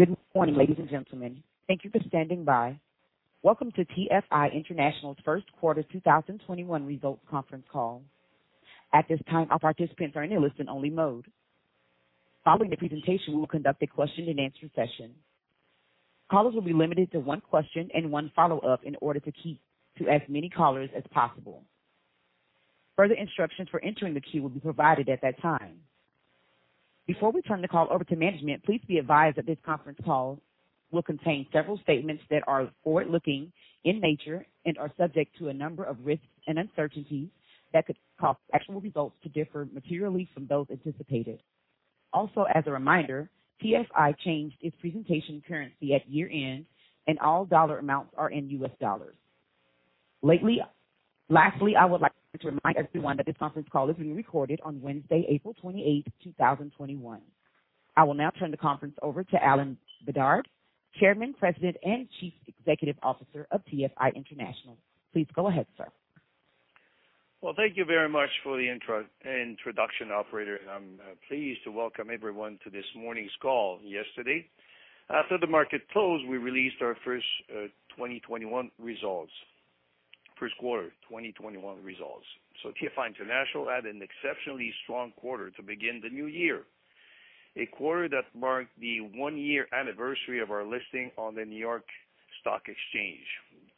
Good morning, ladies and gentlemen. Thank you for standing by. Welcome to TFI International's first quarter 2021 results conference call. At this time, all participants are in a listen-only mode. Following the presentation, we will conduct a question-and-answer session. Callers will be limited to one question and one follow-up in order to keep to as many callers as possible. Further instructions for entering the queue will be provided at that time. Before we turn the call over to management, please be advised that this conference call will contain several statements that are forward-looking in nature and are subject to a number of risks and uncertainties that could cause actual results to differ materially from those anticipated. Also, as a reminder, TFI changed its presentation currency at year-end, and all dollar amounts are in US dollars. Lastly, I would like to remind everyone that this conference call is being recorded on Wednesday, April 28, 2021. I will now turn the conference over to Alain Bédard, Chairman, President, and Chief Executive Officer of TFI International. Please go ahead, sir. Thank you very much for the introduction, operator. I'm pleased to welcome everyone to this morning's call. Yesterday, after the market closed, we released our first 2021 results. First quarter 2021 results. TFI International had an exceptionally strong quarter to begin the new year. A quarter that marked the one-year anniversary of our listing on the New York Stock Exchange.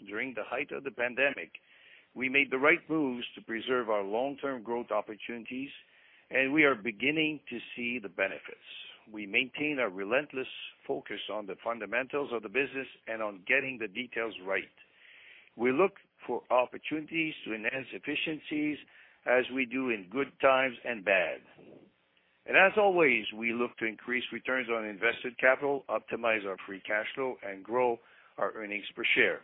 During the height of the pandemic, we made the right moves to preserve our long-term growth opportunities, and we are beginning to see the benefits. We maintain a relentless focus on the fundamentals of the business and on getting the details right. We look for opportunities to enhance efficiencies as we do in good times and bad. As always, we look to increase returns on invested capital, optimize our free cash flow, and grow our earnings per share.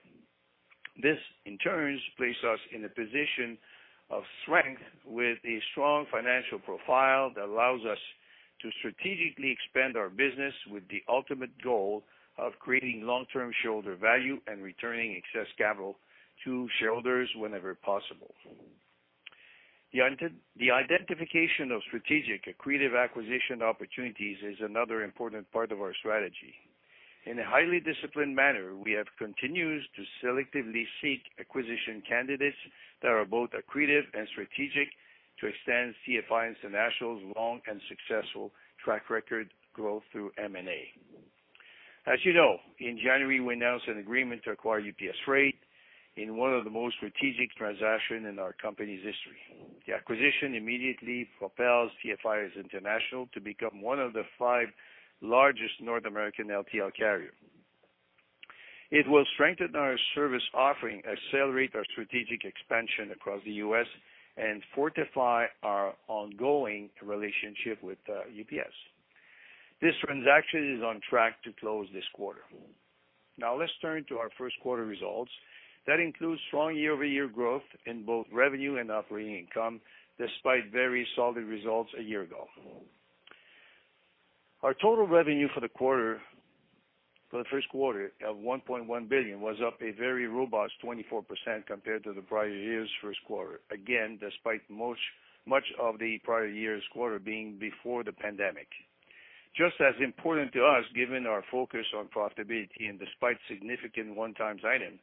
This, in turn, place us in a position of strength with a strong financial profile that allows us to strategically expand our business with the ultimate goal of creating long-term shareholder value and returning excess capital to shareholders whenever possible. The identification of strategic accretive acquisition opportunities is another important part of our strategy. In a highly disciplined manner, we have continued to selectively seek acquisition candidates that are both accretive and strategic to extend TFI International's long and successful track record growth through M&A. As you know, in January, we announced an agreement to acquire UPS Freight in one of the most strategic transactions in our company's history. The acquisition immediately propels TFI International to become one of the five largest North American LTL carrier. It will strengthen our service offering, accelerate our strategic expansion across the U.S., and fortify our ongoing relationship with UPS. This transaction is on track to close this quarter. Let's turn to our first quarter results. That includes strong year-over-year growth in both revenue and operating income, despite very solid results a year ago. Our total revenue for the quarter, for the first quarter of $1.1 billion was up a very robust 24% compared to the prior year's first quarter. Despite much of the prior year's quarter being before the pandemic. Just as important to us, given our focus on profitability and despite significant one-time item,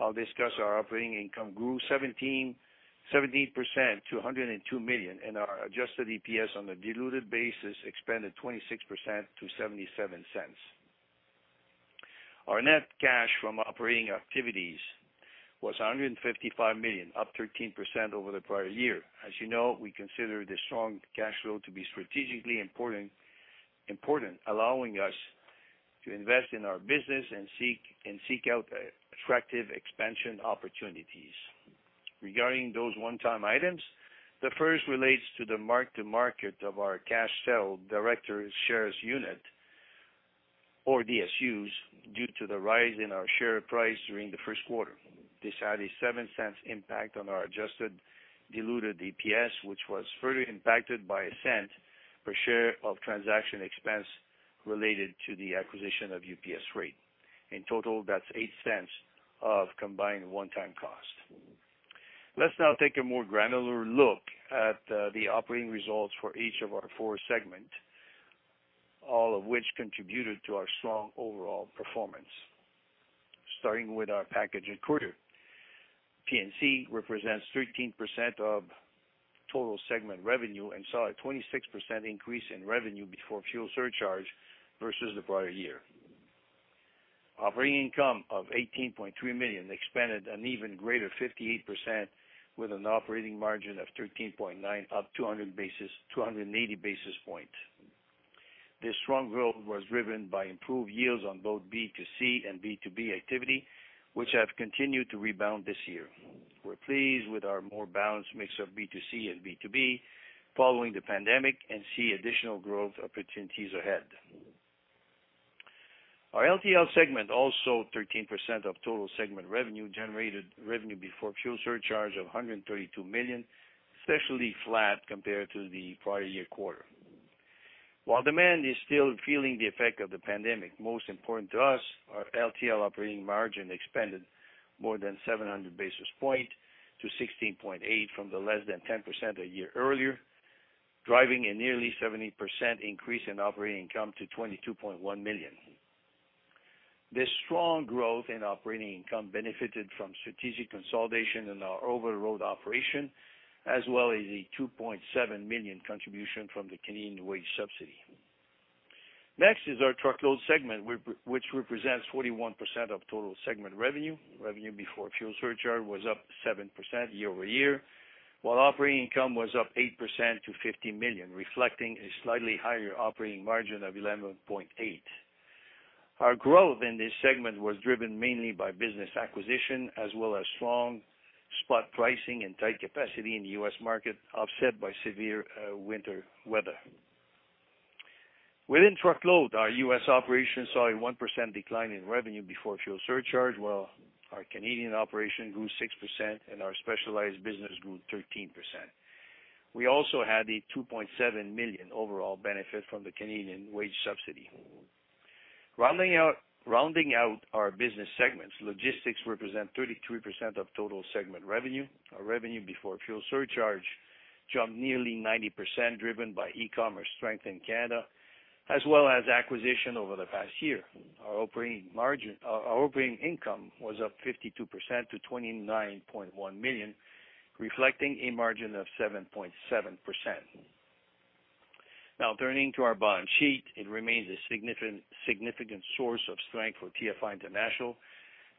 I'll discuss our operating income grew 17% to $102 million, and our adjusted EPS on a diluted basis expanded 26% to $0.77. Our net cash from operating activities was $155 million, up 13% over the prior year. As you know, we consider this strong cash flow to be strategically important, allowing us to invest in our business and seek out attractive expansion opportunities. Regarding those one-time items, the first relates to the mark to market of our cash-settled Deferred Share Units or DSUs, due to the rise in our share price during the first quarter. This had a $0.07 impact on our adjusted diluted EPS, which was further impacted by $0.01 per share of transaction expense related to the acquisition of UPS Freight. In total, that's $0.08 of combined one-time cost. Let's now take a more granular look at the operating results for each of our four segments, all of which contributed to our strong overall performance. Starting with our Package and Courier. P&C represents 13% of total segment revenue and saw a 26% increase in revenue before fuel surcharge versus the prior year. Operating income of $18.3 million expanded an even greater 58% with an operating margin of 13.9% up 280 basis points. This strong growth was driven by improved yields on both B2C and B2B activity, which have continued to rebound this year. We're pleased with our more balanced mix of B2C and B2B following the pandemic and see additional growth opportunities ahead. Our LTL segment, also 13% of total segment revenue, generated revenue before fuel surcharge of $132 million, especially flat compared to the prior year quarter. While demand is still feeling the effect of the pandemic, most important to us, our LTL operating margin expanded more than 700 basis points to 16.8% from the less than 10% a year earlier. Driving a nearly 70% increase in operating income to $22.1 million. This strong growth in operating income benefited from strategic consolidation in our over-the-road operation, as well as a $2.7 million contribution from the Canada Emergency Wage Subsidy. Next is our truckload segment, which represents 41% of total segment revenue. Revenue before fuel surcharge was up 7% year-over-year, while operating income was up 8% to $50 million, reflecting a slightly higher operating margin of 11.8%. Our growth in this segment was driven mainly by business acquisition as well as strong spot pricing and tight capacity in the U.S. market, offset by severe winter weather. Within truckload, our U.S. operations saw a 1% decline in revenue before fuel surcharge, while our Canadian operation grew 6% and our specialized business grew 13%. We also had a $2.7 million overall benefit from the Canada Emergency Wage Subsidy. Rounding out our business segments, logistics represent 33% of total segment revenue. Our revenue before fuel surcharge jumped nearly 90%, driven by e-commerce strength in Canada as well as acquisition over the past year. Our operating income was up 52% to $29.1 million, reflecting a margin of 7.7%. Turning to our balance sheet, it remains a significant source of strength for TFI International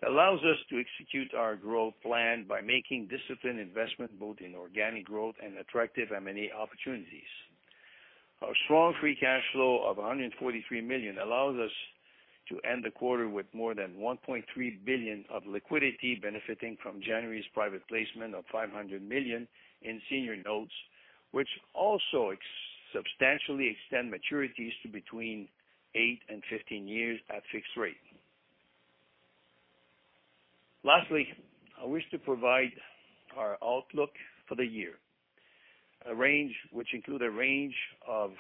that allows us to execute our growth plan by making disciplined investment both in organic growth and attractive M&A opportunities. Our strong free cash flow of $143 million allows us to end the quarter with more than $1.3 billion of liquidity benefiting from January's private placement of $500 million in senior notes, which also substantially extend maturities to between eight and 15 years at fixed rate. I wish to provide our outlook for the year. Which include a range of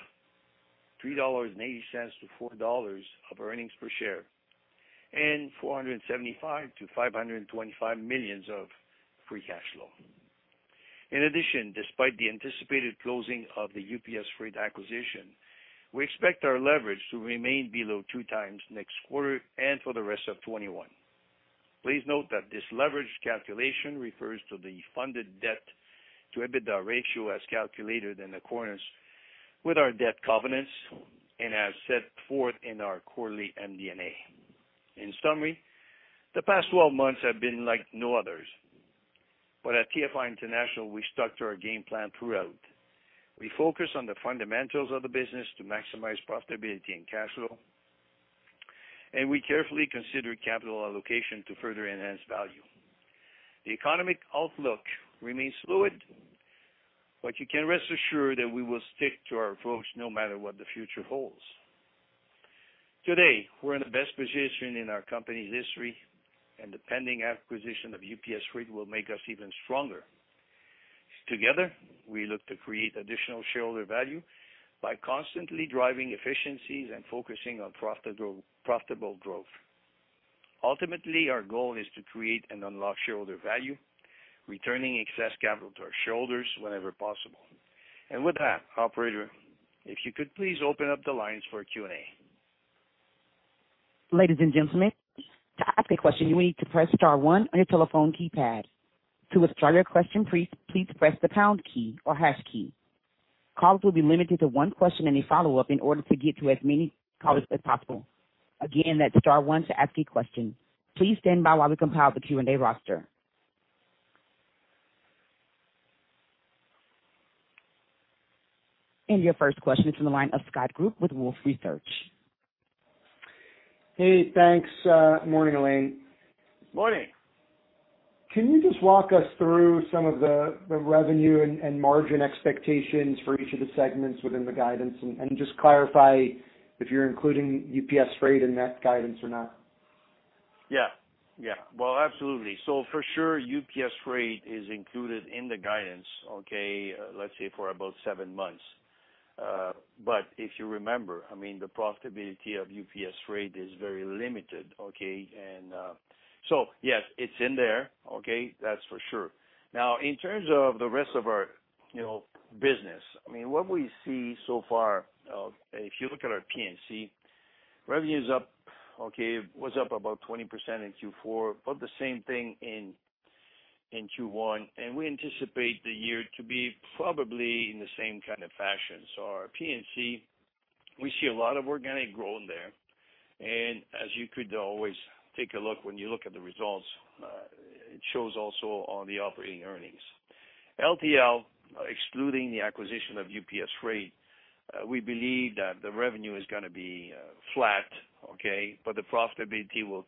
$3.80-$4.00 of earnings per share and $475 million-$525 million of free cash flow. In addition, despite the anticipated closing of the UPS Freight acquisition, we expect our leverage to remain below two times next quarter and for the rest of 2021. Please note that this leverage calculation refers to the funded debt to EBITDA ratio as calculated in accordance with our debt covenants and as set forth in our quarterly MD&A. In summary, the past 12 months have been like no others. At TFI International, we stuck to our game plan throughout. We focused on the fundamentals of the business to maximize profitability and cash flow, and we carefully considered capital allocation to further enhance value. The economic outlook remains fluid, but you can rest assured that we will stick to our approach no matter what the future holds. Today, we're in the best position in our company's history, and the pending acquisition of UPS Freight will make us even stronger. Together, we look to create additional shareholder value by constantly driving efficiencies and focusing on profitable growth. Ultimately, our goal is to create and unlock shareholder value, returning excess capital to our shareholders whenever possible. With that, operator, if you could please open up the lines for Q&A. Ladies and gentlemen, to ask a question, you will need to press star one on your telephone keypad. To withdraw your question, please press the pound key or hash key. Calls will be limited to one question and a follow-up in order to get to as many callers as possible. Again, that's star one to ask a question. Please stand by while we compile the Q&A roster. Your first question is from the line of Scott Group with Wolfe Research. Hey, thanks. Morning, Alain. Morning. Can you just walk us through some of the revenue and margin expectations for each of the segments within the guidance? Just clarify if you're including UPS Freight in that guidance or not. Absolutely. For sure, UPS Freight is included in the guidance, let's say for about seven months. If you remember, I mean, the profitability of UPS Freight is very limited. Yes, it's in there. That's for sure. In terms of the rest of our, you know, business, I mean, what we see so far, if you look at our P&C, revenue is up, it was up about 20% in Q4, about the same thing in Q1. We anticipate the year to be probably in the same kind of fashion. Our P&C, we see a lot of organic growth there. As you could always take a look when you look at the results, it shows also on the operating earnings. LTL, excluding the acquisition of UPS Freight, we believe that the revenue is gonna be flat, okay? The profitability will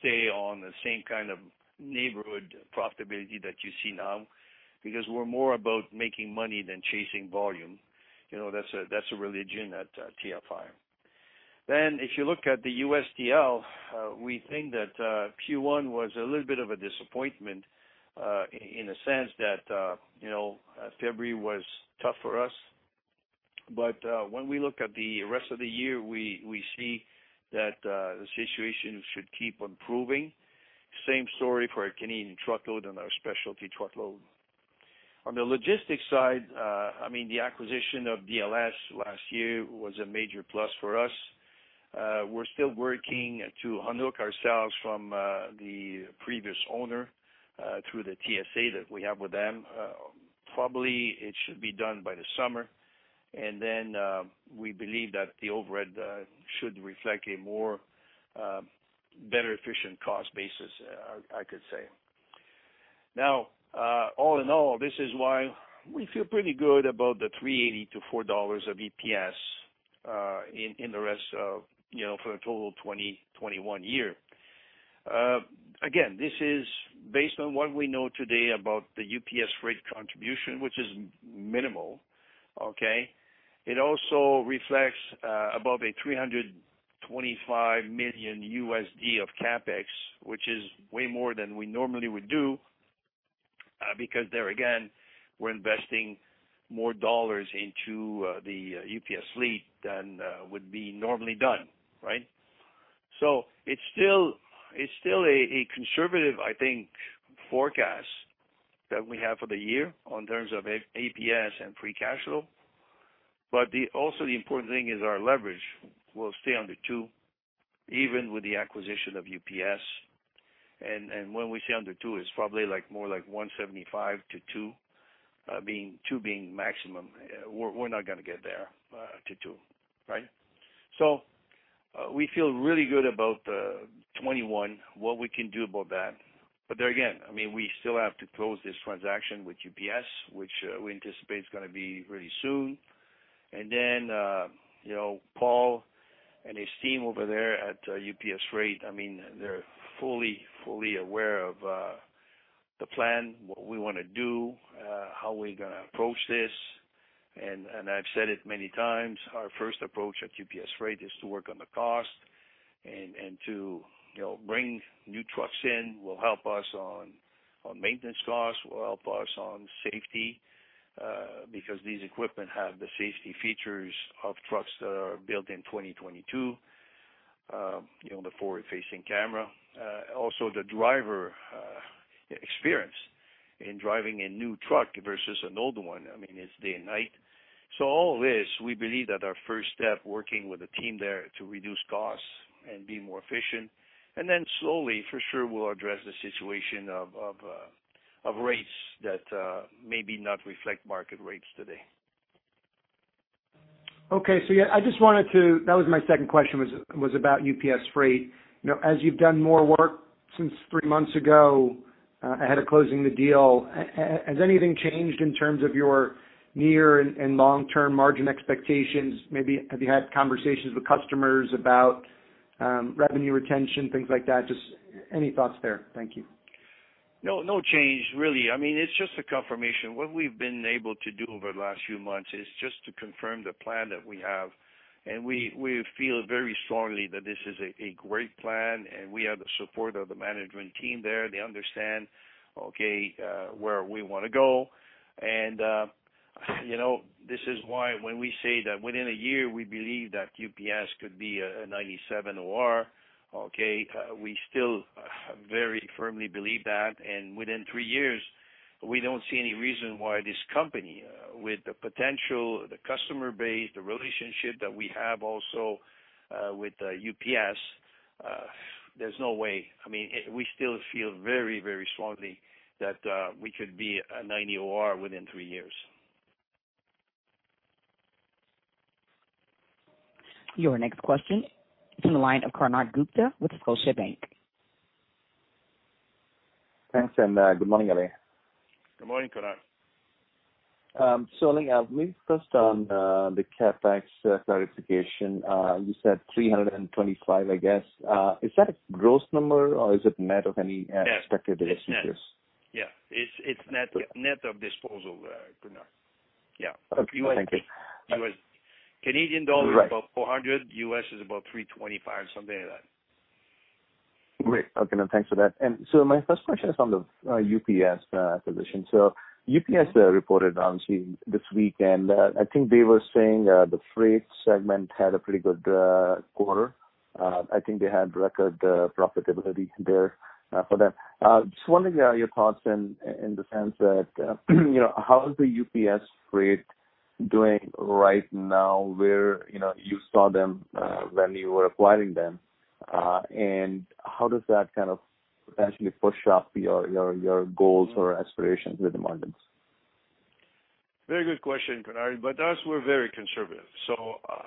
stay on the same kind of neighborhood profitability that you see now, because we're more about making money than chasing volume. You know, that's a religion at TFI. If you look at the USTL, we think that Q1 was a little bit of a disappointment, in a sense that, you know, February was tough for us. When we look at the rest of the year, we see that the situation should keep on improving. Same story for our Canadian truckload and our specialty truckload. On the logistics side, I mean, the acquisition of DLS last year was a major plus for us. We're still working to unhook ourselves from the previous owner through the TSA that we have with them. Probably it should be done by the summer. We believe that the overhead should reflect a more better efficient cost basis, I could say. All in all, this is why we feel pretty good about the $3.80-$4.00 of EPS in the rest of, you know, for a total 2021 year. Again, this is based on what we know today about the UPS Freight contribution, which is minimal. Okay. It also reflects above a $325 million USD of CapEx, which is way more than we normally would do because there again, we're investing more dollars into the UPS fleet than would be normally done. Right? It's still a conservative, I think, forecast that we have for the year on terms of EPS and free cash flow. Also, the important thing is our leverage will stay under two, even with the acquisition of UPS. When we say under two, it's probably like more like 1.75 to two, being two being maximum. We're not gonna get there to two. Right? We feel really good about 21, what we can do about that. There again, I mean, we still have to close this transaction with UPS, which we anticipate is gonna be really soon. You know, Paul and his team over there at UPS Freight, I mean, they're fully aware of the plan, what we wanna do, how we're gonna approach this. I've said it many times, our first approach at UPS Freight is to work on the cost and to, you know, bring new trucks in will help us on maintenance costs, will help us on safety, because these equipment have the safety features of trucks that are built in 2022, you know, the forward-facing camera. Also the driver experience in driving a new truck versus an old one. I mean, it's day and night. All of this, we believe that our first step working with the team there to reduce costs and be more efficient. Then slowly, for sure, we'll address the situation of rates that maybe not reflect market rates today. Okay. Yeah, that was my second question was about UPS Freight. You know, as you've done more work since three months ago, ahead of closing the deal, has anything changed in terms of your near and long-term margin expectations? Maybe have you had conversations with customers about revenue retention, things like that? Just any thoughts there? Thank you. No, no change, really. I mean, it's just a confirmation. What we've been able to do over the last few months is just to confirm the plan that we have, and we feel very strongly that this is a great plan, and we have the support of the management team there. They understand, okay, where we wanna go. You know, this is why when we say that within a year, we believe that UPS could be a 97 OR, okay, we still very firmly believe that. Within three years, we don't see any reason why this company, with the potential, the customer base, the relationship that we have also with UPS, there's no way. I mean, we still feel very strongly that we could be a 90 OR within three years. Your next question is from the line of Konark Gupta with Scotiabank. Thanks, and, good morning, Alain. Good morning, Konark. Alain, maybe first on the CapEx clarification. You said $325, I guess. Is that a gross number, or is it net of any? Yes. -expected divestitures? It's net. Yeah, it's net of disposal, Konark Gupta. Yeah. Okay. Thank you. U.S. Right. is about 400, U.S. is about $325, something like that. Great. Okay. No, thanks for that. My first question is on the UPS acquisition. UPS reported, obviously, this week, and I think they were saying the freight segment had a pretty good quarter. I think they had record profitability there for them. Just wondering your thoughts in the sense that, you know, how is the UPS Freight doing right now, where, you know, you saw them when you were acquiring them, and how does that kind of potentially push up your goals or aspirations with the margins? Very good question, Konark. We're very conservative.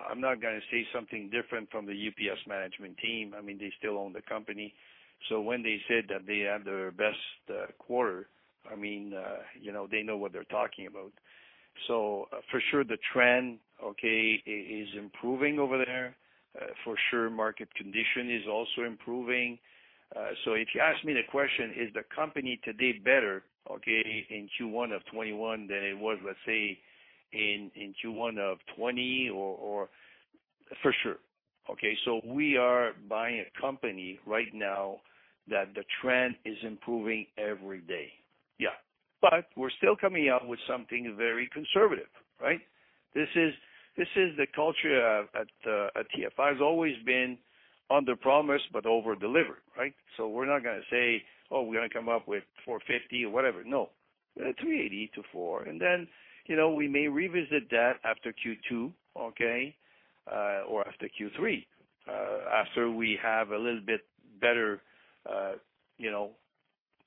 I'm not going to say something different from the UPS management team. I mean, they still own the company. When they said that they had their best quarter, I mean, you know, they know what they're talking about. For sure the trend, okay, is improving over there. For sure, market condition is also improving. If you ask me the question, is the company today better, okay, in Q1 2021 than it was, let's say, in Q1 2020? For sure. Okay, we are buying a company right now that the trend is improving every day. Yeah. We're still coming up with something very conservative, right? This is the culture at TFI, has always been underpromise but overdeliver, right? We're not gonna say, "Oh, we're gonna come up with $4.50," or whatever. No. $3.80-$4.00, and then, you know, we may revisit that after Q2, okay, or after Q3, after we have a little bit better, you know,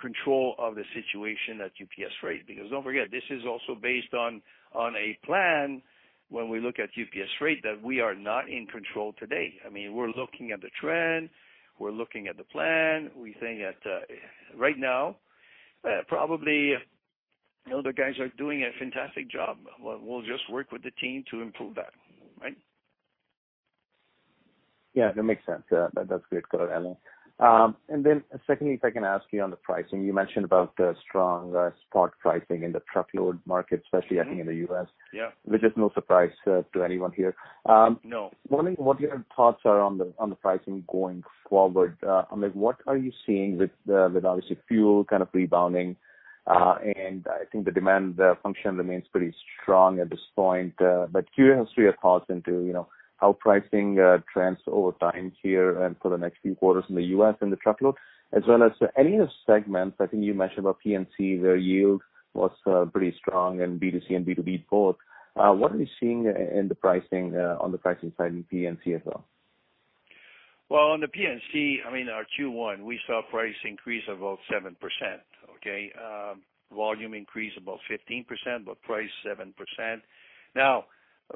control of the situation at UPS Freight. Don't forget, this is also based on a plan when we look at UPS Freight that we are not in control today. I mean, we're looking at the trend, we're looking at the plan. We think that, right now, probably, you know, the guys are doing a fantastic job. We'll just work with the team to improve that, right? Yeah, that makes sense. That's great color, Alain. Secondly, if I can ask you on the pricing. You mentioned about the strong spot pricing in the truckload market, especially I think in the U.S.- Yeah. Which is no surprise to anyone here. No. Wondering what your thoughts are on the pricing going forward. I mean, what are you seeing with obviously fuel kind of rebounding, and I think the demand function remains pretty strong at this point. Curious for your thoughts into, you know, how pricing trends over time here and for the next few quarters in the U.S. in the truckload. As well as any of the segments, I think you mentioned about P&C, their yield was pretty strong in B2C and B2B both. What are you seeing in the pricing, on the pricing side in P&C as well? On the P&C, I mean, our Q1, we saw price increase about 7%, okay? Volume increase about 15%, but price 7%.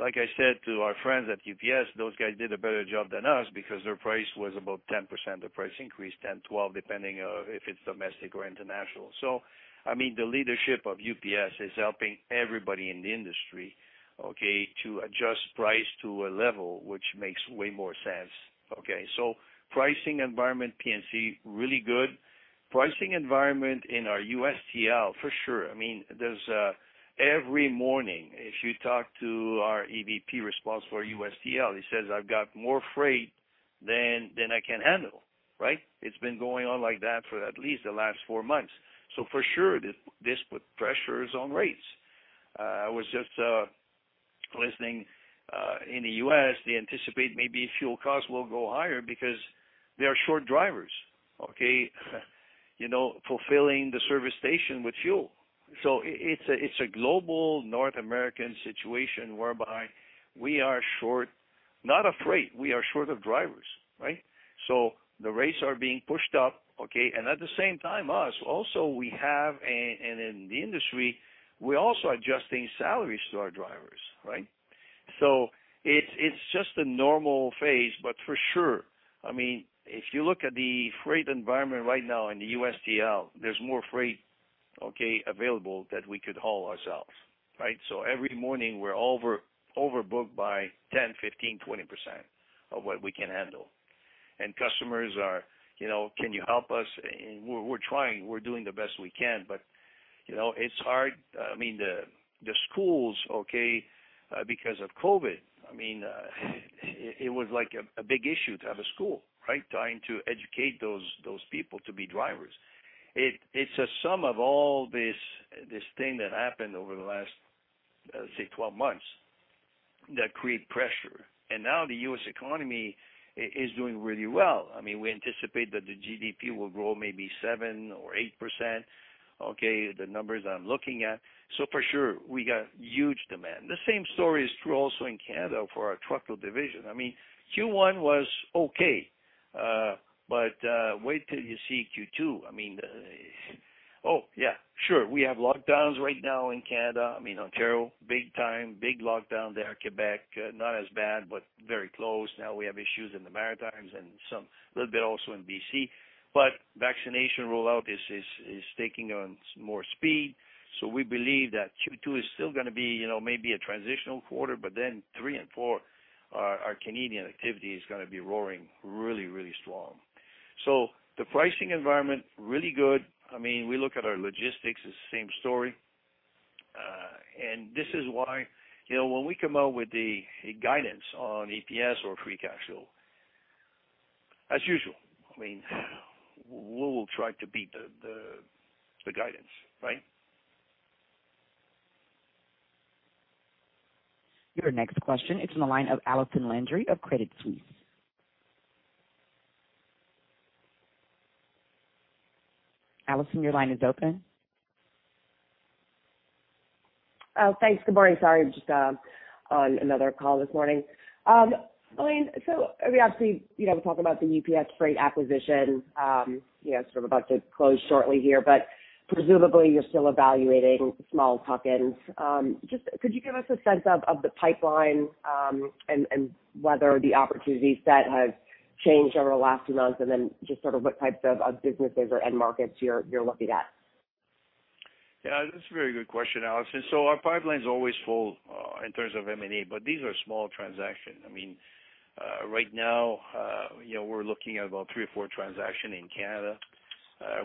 Like I said to our friends at UPS, those guys did a better job than us because their price was about 10%, the price increase, 10, 12, depending on if it's domestic or international. I mean, the leadership of UPS is helping everybody in the industry, okay? To adjust price to a level which makes way more sense. Okay? Pricing environment P&C, really good. Pricing environment in our USTL, for sure. I mean, there's Every morning, if you talk to our EVP responsible for USTL, he says, "I've got more freight than I can handle." Right? It's been going on like that for at least the last four months. For sure, this put pressures on rates. I was just listening, in the U.S., they anticipate maybe fuel costs will go higher because they are short drivers, you know, fulfilling the service station with fuel. It's a global North American situation whereby we are short, not of freight, we are short of drivers, right. The rates are being pushed up, okay. At the same time, us also, we have, in the industry, we're also adjusting salaries to our drivers, right. It's just a normal phase. For sure, I mean, if you look at the freight environment right now in the US TL, there's more freight available that we could haul ourselves, right. Every morning we're overbooked by 10%, 15%, 20% of what we can handle. Customers are, you know, "Can you help us?" We're trying. We're doing the best we can. You know, it's hard. I mean, the schools, okay, because of COVID, I mean, it was like a big issue to have a school, right? Trying to educate those people to be drivers. It's a sum of all this thing that happened over the last, say 12 months that create pressure. Now the U.S. economy is doing really well. I mean, we anticipate that the GDP will grow maybe 7% or 8%, okay, the numbers I'm looking at. For sure, we got huge demand. The same story is true also in Canada for our truckload division. I mean, Q1 was okay. Wait till you see Q2. I mean, oh yeah, sure. We have lockdowns right now in Canada. I mean, Ontario, big time, big lockdown there. Quebec, not as bad, but very close. We have issues in the Maritimes and some, little bit also in B.C. Vaccination rollout is taking on more speed. We believe that Q2 is still going to be, you know, maybe a transitional quarter, but then three and four, our Canadian activity is going to be roaring really strong. The pricing environment, really good. I mean, we look at our logistics as same story. This is why, you know, when we come out with the guidance on EPS or free cash flow, as usual, I mean, we will try to beat the guidance, right? Your next question is on the line of Allison Landry of Credit Suisse. Allison, your line is open. Oh, thanks. Good morning. Sorry, just on another call this morning. Alain, obviously, you know, we talked about the UPS Freight acquisition, you know, sort of about to close shortly here, but presumably you're still evaluating small tuck-ins. Just could you give us a sense of the pipeline, and whether the opportunity set has changed over the last few months? Just sort of what types of businesses or end markets you're looking at. Yeah. That's a very good question, Allison. Our pipeline's always full in terms of M&A, but these are small transactions. You know, we're looking at about three or four transaction in Canada.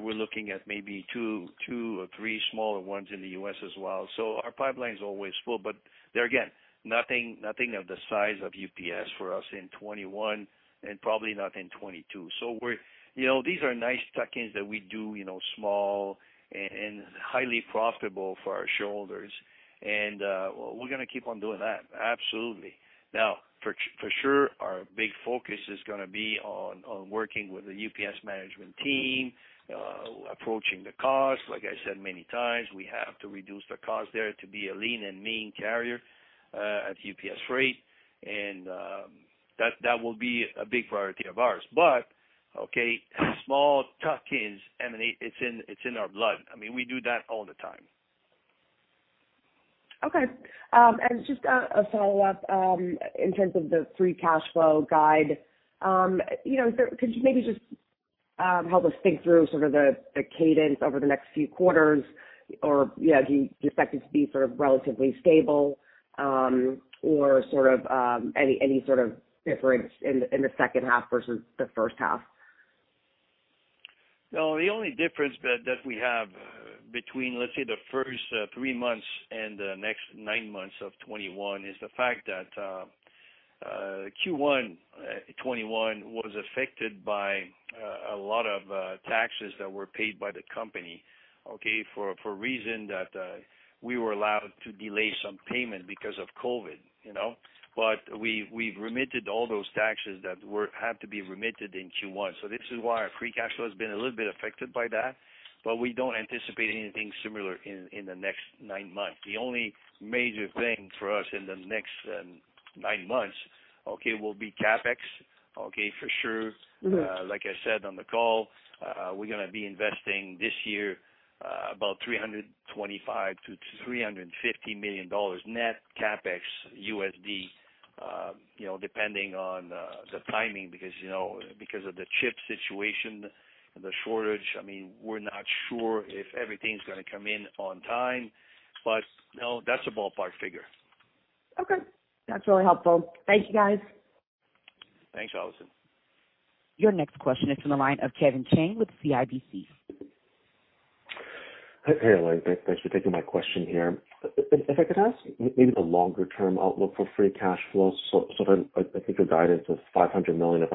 We're looking at maybe two or three smaller ones in the U.S. as well. Our pipeline is always full, but there again, nothing of the size of UPS for us in 2021 and probably not in 2022. You know, these are nice tuck-ins that we do, you know, small and highly profitable for our shareholders. We're gonna keep on doing that. Absolutely. Now, for sure, our big focus is gonna be on working with the UPS management team approaching the cost. Like I said many times, we have to reduce the cost there to be a lean and mean carrier at UPS Freight and that will be a big priority of ours. Okay, small tuck-ins, M&A, it's in our blood. I mean, we do that all the time. Okay. Just a follow-up, in terms of the free cash flow guide. You know, could you maybe just help us think through sort of the cadence over the next few quarters or, you know, do you expect it to be sort of relatively stable, or sort of any sort of difference in the second half versus the first half? The only difference that we have between, let's say, the first three months and the next nine months of 2021 is the fact that Q1 2021 was affected by a lot of taxes that were paid by the company for a reason that we were allowed to delay some payment because of COVID, you know. We've remitted all those taxes that were have to be remitted in Q1. This is why our free cash flow has been a little bit affected by that, but we don't anticipate anything similar in the next nine months. The only major thing for us in the next nine months will be CapEx for sure. Like I said on the call, we're gonna be investing this year, about $325 million-$350 million net CapEx USD, you know, depending on the timing because, you know, because of the chip situation and the shortage. I mean, we're not sure if everything's gonna come in on time, but, you know, that's a ballpark figure. Okay. That's really helpful. Thank you, guys. Thanks, Allison. Your next question is from the line of Kevin Chiang with CIBC. Hey, Alain. Thanks for taking my question here. I think the guidance is $500 million if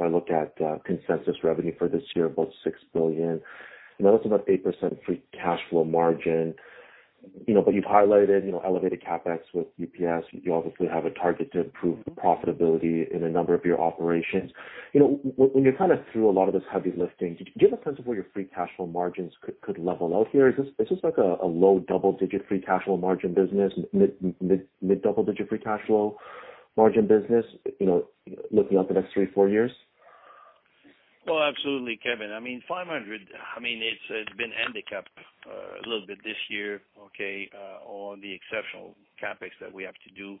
I look at consensus revenue for this year, about $6 billion. You know, that's about 8% free cash flow margin. You know, you've highlighted, you know, elevated CapEx with UPS. You obviously have a target to improve the profitability in a number of your operations. You know, when you're kind of through a lot of this heavy lifting, do you have a sense of where your free cash flow margins could level out here? Is this like a low double-digit free cash flow margin business, mid double-digit free cash flow margin business, you know, looking out the next three-four years? Absolutely, Kevin. I mean, $500, I mean, it's been handicapped a little bit this year, okay, on the exceptional CapEx that we have to do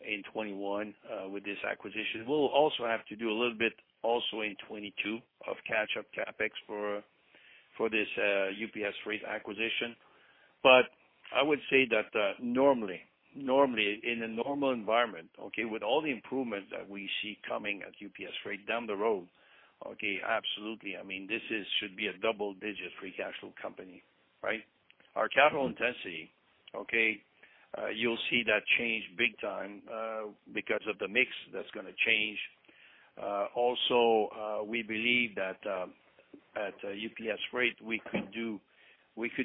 in 2021 with this acquisition. We'll also have to do a little bit also in 2022 of catch-up CapEx for this UPS Freight acquisition. I would say that normally in a normal environment, okay, with all the improvement that we see coming at UPS Freight down the road, okay, absolutely. I mean, this is should be a double-digit free cash flow company, right? Our capital intensity, okay, you'll see that change big time because of the mix that's going to change. Also, we believe that at UPS Freight, we could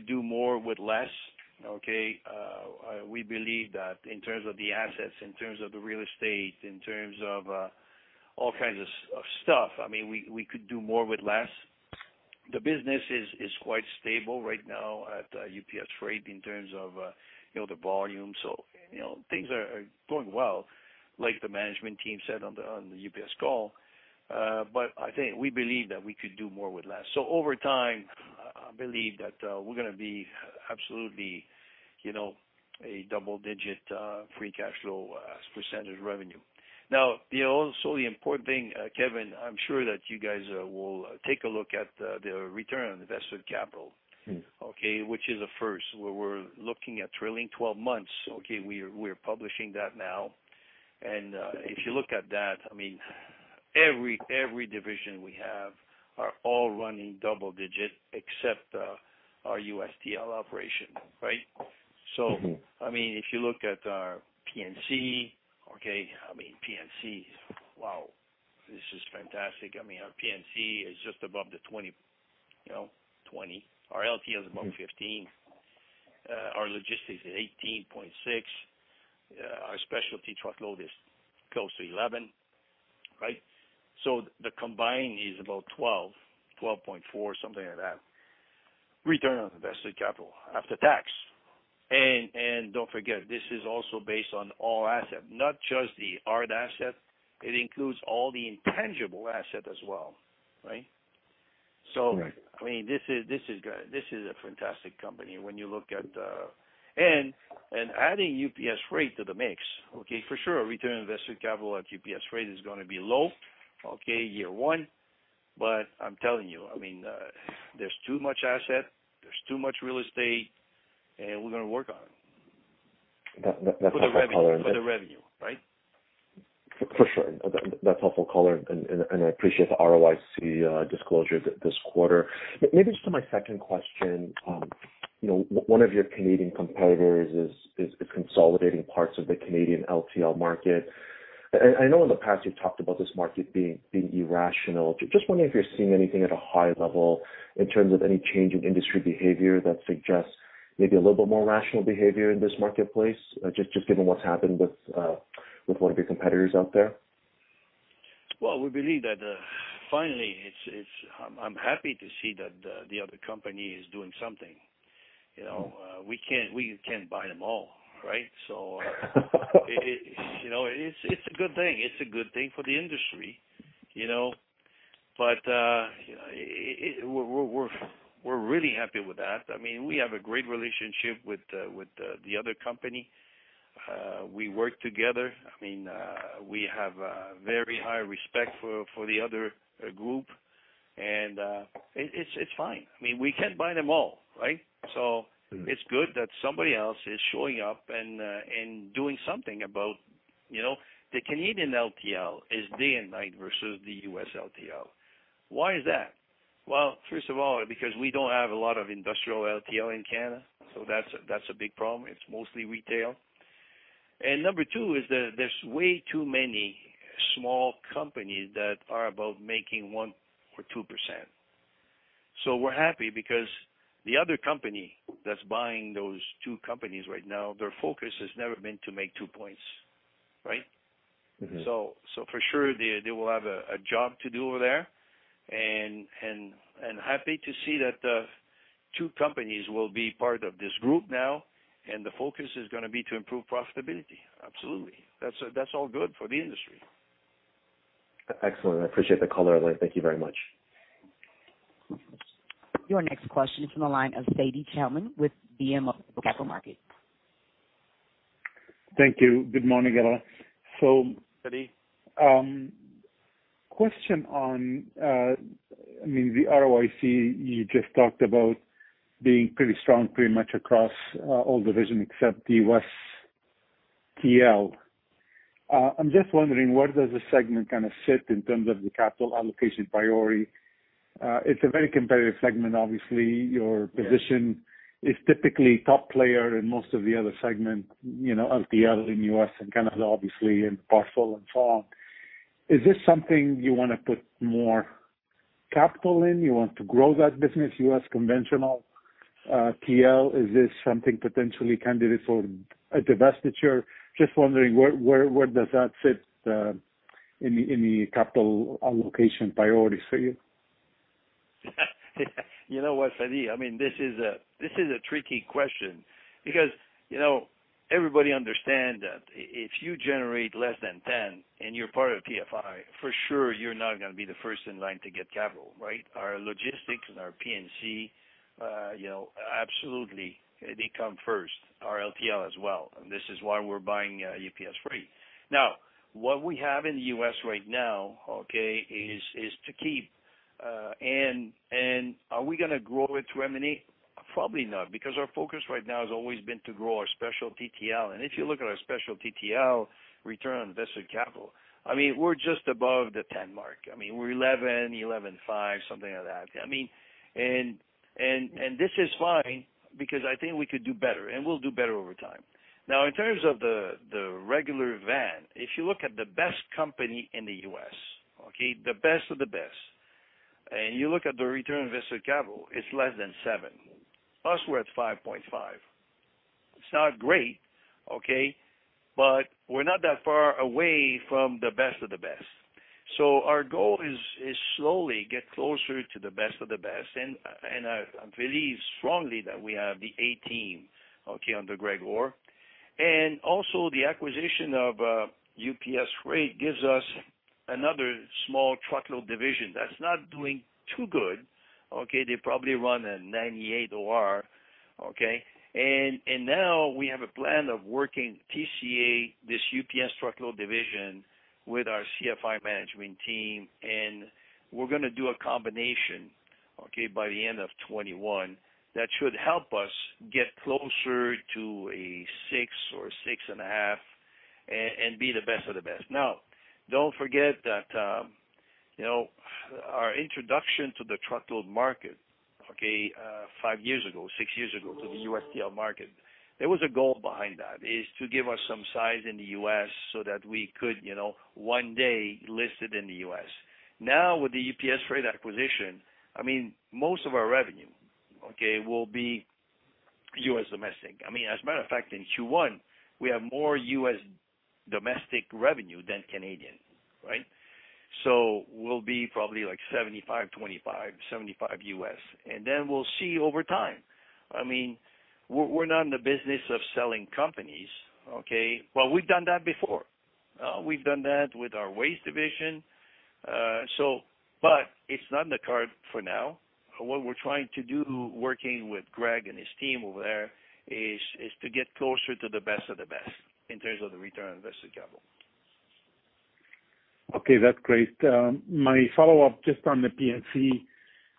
do more with less, okay. We believe that in terms of the assets, in terms of the real estate, in terms of all kinds of stuff. I mean, we could do more with less. The business is quite stable right now at UPS Freight in terms of, you know, the volume. You know, things are going well, like the management team said on the UPS call. I think we believe that we could do more with less. Over time, I believe that we're gonna be absolutely, you know, a double-digit free cash flow as percentage revenue. Now, you know, also the important thing, Kevin, I'm sure that you guys will take a look at the return on invested capital. Which is a first. We're looking at trailing 12 months. We're publishing that now. If you look at that, I mean, every division we have are all running double digit except our USTL operation, right? I mean, if you look at our P&C, okay, I mean, P&C, wow, this is fantastic. I mean, our P&C is just above the 20, you know, 20. Our LTL is above 15. Our Logistics is 18.6. Our Specialized Truckload is close to 11, right? The combined is about 12.4, something like that. Return on invested capital after tax. Don't forget, this is also based on all assets, not just the hard assets. It includes all the intangible assets as well, right? Right. I mean, this is, this is a fantastic company when you look at And adding UPS Freight to the mix, okay, for sure, return on invested capital at UPS Freight is gonna be low, okay, year one. I'm telling you, I mean, there's too much asset, there's too much real estate, and we're gonna work on it. That's a helpful color. For the revenue, right? For sure. That's a helpful color and I appreciate the ROIC disclosure this quarter. Maybe just to my second question, you know, one of your Canadian competitors is consolidating parts of the Canadian LTL market. I know in the past you've talked about this market being irrational. Just wondering if you're seeing anything at a high level in terms of any change in industry behavior that suggests maybe a little bit more rational behavior in this marketplace, just given what's happened with one of your competitors out there. We believe that, finally it's, I'm happy to see that the other company is doing something, you know. We can't buy them all, right? It, you know, it's a good thing. It's a good thing for the industry, you know. You know, it We're really happy with that. I mean, we have a great relationship with the other company. We work together. I mean, we have a very high respect for the other group and it's fine. I mean, we can't buy them all, right? it's good that somebody else is showing up and doing something about, you know. The Canadian LTL is day and night versus the U.S. LTL. Why is that? Well, first of all, because we don't have a lot of industrial LTL in Canada, so that's a, that's a big problem. It's mostly retail. Number two is that there's way too many small companies that are about making 1% or 2%. We're happy because the other company that's buying those two companies right now, their focus has never been to make two points, right? For sure they will have a job to do over there and happy to see that two companies will be part of this group now, and the focus is gonna be to improve profitability. Absolutely. That's all good for the industry. Excellent. I appreciate the color. Thank you very much. Your next question is from the line of Fadi Chamoun with BMO Capital Markets. Thank you. Good morning, Alain. Fadi. Question on, I mean, the ROIC you just talked about being pretty strong pretty much across all division except the West TL. I'm just wondering, where does the segment kinda sit in terms of the capital allocation priority? It's a very competitive segment obviously. Yes position is typically top player in most of the other segment, you know, LTL in U.S. and Canada obviously, and parcel and so on. Is this something you wanna put more capital in, you want to grow that business, U.S. conventional TL? Is this something potentially candidate for a divestiture? Just wondering where does that sit in the capital allocation priorities for you? You know what, Fadi, I mean, this is a, this is a tricky question because, you know, everybody understand that if you generate less than 10 and you're part of TFI, for sure you're not gonna be the first in line to get capital, right? Our logistics and our P&C, you know, absolutely they come first. Our LTL as well, this is why we're buying UPS Freight. Now, what we have in the U.S. right now, okay, is to keep, and are we gonna grow it to M&A? Probably not, because our focus right now has always been to grow our specialty TL. If you look at our specialty TL return on invested capital, I mean, we're just above the 10 mark. I mean, we're 11.5, something like that. I mean, this is fine because I think we could do better, and we'll do better over time. Now, in terms of the regular van, if you look at the best company in the U.S., okay? The best of the best, you look at the return on invested capital, it's less than seven. Us, we're at 5.5. It's not great, okay? We're not that far away from the best of the best. Our goal is slowly get closer to the best of the best. I believe strongly that we have the A team, okay, under Greg Orr. Also the acquisition of UPS Freight gives us another small truckload division that's not doing too good, okay? They probably run a 98 OR, okay? Now we have a plan of working TCA, this UPS Truckload division, with our CFI management team, and we're gonna do a combination, okay, by the end of 2021 that should help us get closer to a six or 6.5 and be the best of the best. Now, don't forget that, you know, our introduction to the truckload market, okay, five years ago, six years ago, to the US TL market, there was a goal behind that, is to give us some size in the U.S. so that we could, you know, one day list it in the U.S. Now, with the UPS Freight acquisition, I mean, most of our revenue, okay, will be U.S. domestic. I mean, as a matter of fact, in Q1, we have more U.S. domestic revenue than Canadian, right? We'll be probably like 75, 25. 75 U.S. Then we'll see over time. I mean, we're not in the business of selling companies, okay? We've done that before. We've done that with our waste division. But it's not in the cards for now. What we're trying to do, working with Greg and his team over there is to get closer to the best of the best in terms of the return on invested capital. Okay, that's great. My follow-up just on the P&C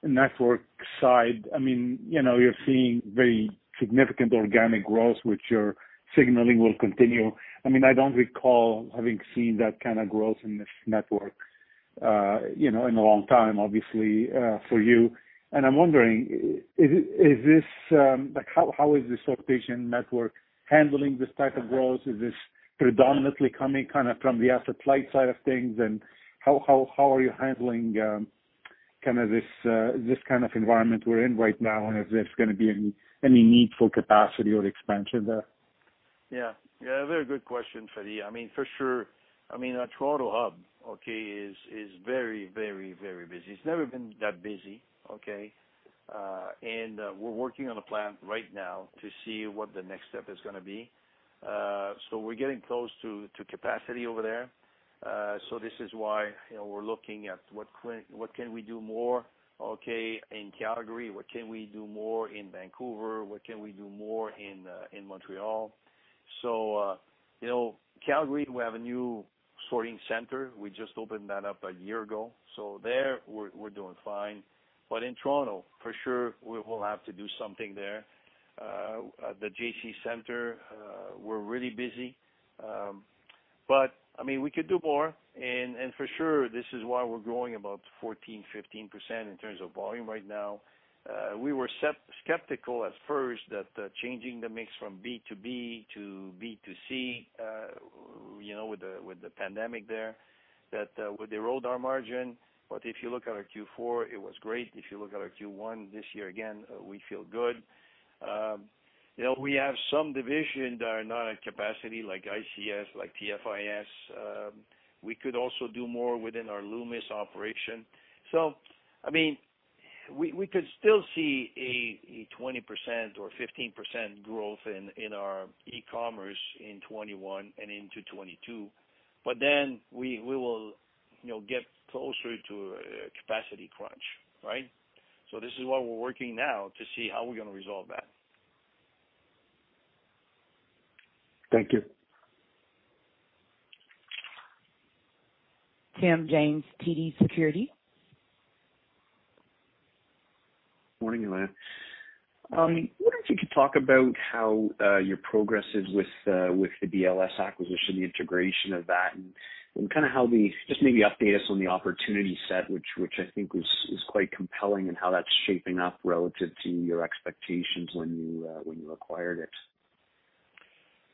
network side. I mean, you know, you're seeing very significant organic growth, which you're signaling will continue. I mean, I don't recall having seen that kind of growth in this network, you know, in a long time, obviously, for you. I'm wondering, is this, Like, how is this sortation network handling this type of growth? Is this predominantly coming kinda from the asset light side of things? How are you handling, kinda this kind of environment we're in right now? If there's gonna be any need for capacity or expansion there? Yeah, very good question, Fadi. I mean, for sure. I mean, our Toronto hub, okay, is very, very, very busy. It's never been that busy, okay? We're working on a plan right now to see what the next step is gonna be. We're getting close to capacity over there. This is why, you know, we're looking at what can we do more, okay, in Calgary? What can we do more in Vancouver? What can we do more in Montreal? You know, Calgary, we have a new sorting center. We just opened that up a year ago. There we're doing fine. In Toronto, for sure, we will have to do something there. The GC Center, we're really busy. I mean, we could do more. For sure, this is why we're growing about 14%-15% in terms of volume right now. We were skeptical at first that changing the mix from B2B to B2C, you know, with the pandemic there, that would erode our margin. If you look at our Q4, it was great. If you look at our Q1 this year, again, we feel good. You know, we have some divisions that are not at capacity like ICS, like TFIS. We could also do more within our Loomis operation. I mean, we could still see a 20% or 15% growth in our e-commerce in 2021 and into 2022, but then we will, you know, get closer to a capacity crunch, right? This is what we're working now to see how we're gonna resolve that. Thank you. Tim James, TD Securities. Morning, Alain. I wonder if you could talk about how your progress is with the DLS acquisition, the integration of that, and maybe update us on the opportunity set, which I think is quite compelling, and how that's shaping up relative to your expectations when you acquired it.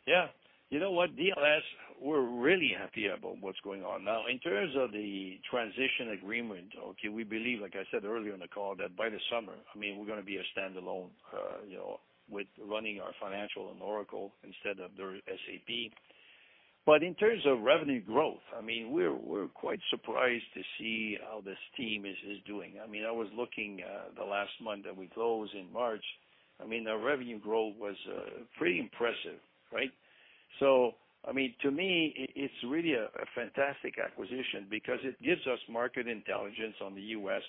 Yeah. You know what? DLS, we're really happy about what's going on. In terms of the transition agreement, okay, we believe, like I said earlier in the call, that by the summer, I mean, we're gonna be a standalone, you know, with running our financial on Oracle instead of their SAP. In terms of revenue growth, I mean, we're quite surprised to see how this team is doing. I mean, I was looking, the last month that we closed in March. I mean, our revenue growth was pretty impressive, right? I mean, to me it's really a fantastic acquisition because it gives us market intelligence on the U.S.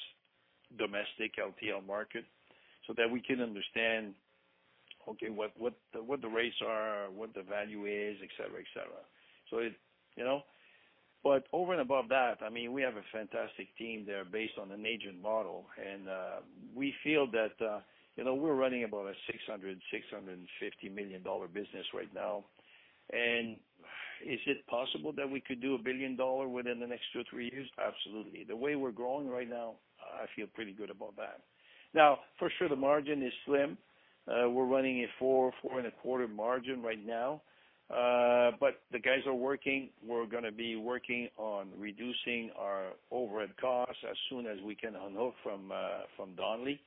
domestic LTL market so that we can understand, okay, what the rates are, what the value is, et cetera, et cetera. You know? Over and above that, I mean, we have a fantastic team there based on an agent model and we feel that, you know, we're running about a $600 million-$650 million business right now. Is it possible that we could do a $1 billion within the next two, three years? Absolutely. The way we're growing right now, I feel pretty good about that. For sure, the margin is slim. We're running a 4.25% margin right now. The guys are working. We're going to be working on reducing our overhead costs as soon as we can unhook from R.R. Donnelley.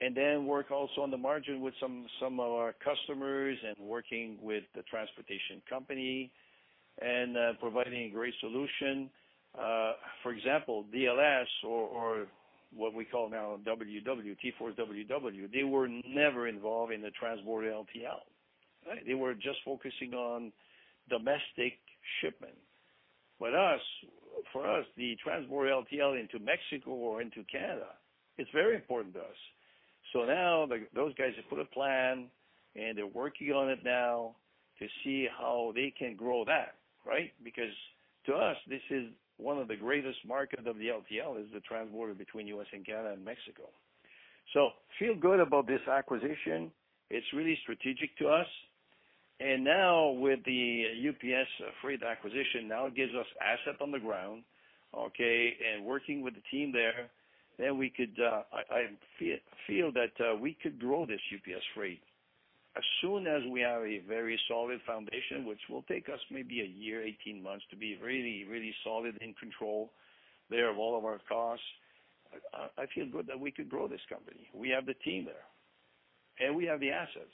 Then work also on the margin with some of our customers and working with the transportation company and providing a great solution. For example, DLS or what we call now TFWW, they were never involved in the transborder LTL. Right? They were just focusing on domestic shipment. With us, for us, the transborder LTL into Mexico or into Canada, it's very important to us. Now those guys have put a plan, and they're working on it now to see how they can grow that, right? Because to us, this is one of the greatest market of the LTL, is the transborder between U.S. and Canada and Mexico. Feel good about this acquisition. It's really strategic to us. Now with the UPS Freight acquisition, now it gives us asset on the ground, okay? Working with the team there, then we could I feel that we could grow this UPS Freight. As soon as we have a very solid foundation, which will take us maybe a year, 18 months to be really, really solid in control there of all of our costs, I feel good that we could grow this company. We have the team there. We have the assets.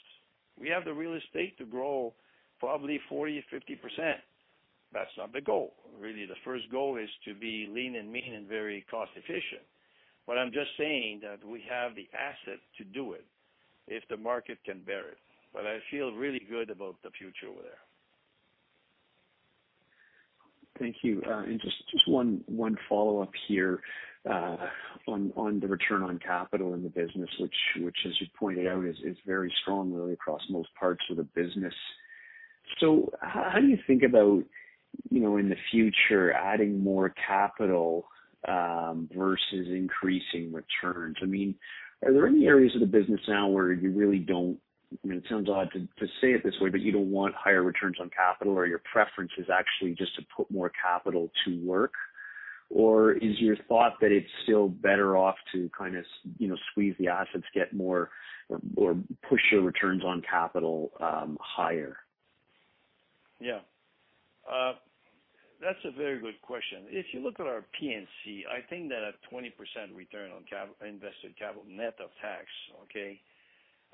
We have the real estate to grow probably 40%, 50%. That's not the goal. Really, the first goal is to be lean and mean and very cost efficient. I'm just saying that we have the asset to do it if the market can bear it, but I feel really good about the future over there. Thank you. Alain? Just one follow-up here on the return on capital in the business which as you pointed out is very strong really across most parts of the business. How do you think about, you know, in the future adding more capital versus increasing returns? I mean, are there any areas of the business now where you really don't I mean, it sounds odd to say it this way, but you don't want higher returns on capital or your preference is actually just to put more capital to work? Is your thought that it's still better off to kind of you know, squeeze the assets, get more or push your returns on capital higher? Yeah. That's a very good question. If you look at our P&C, I think that a 20% return on cap-invested capital net of tax,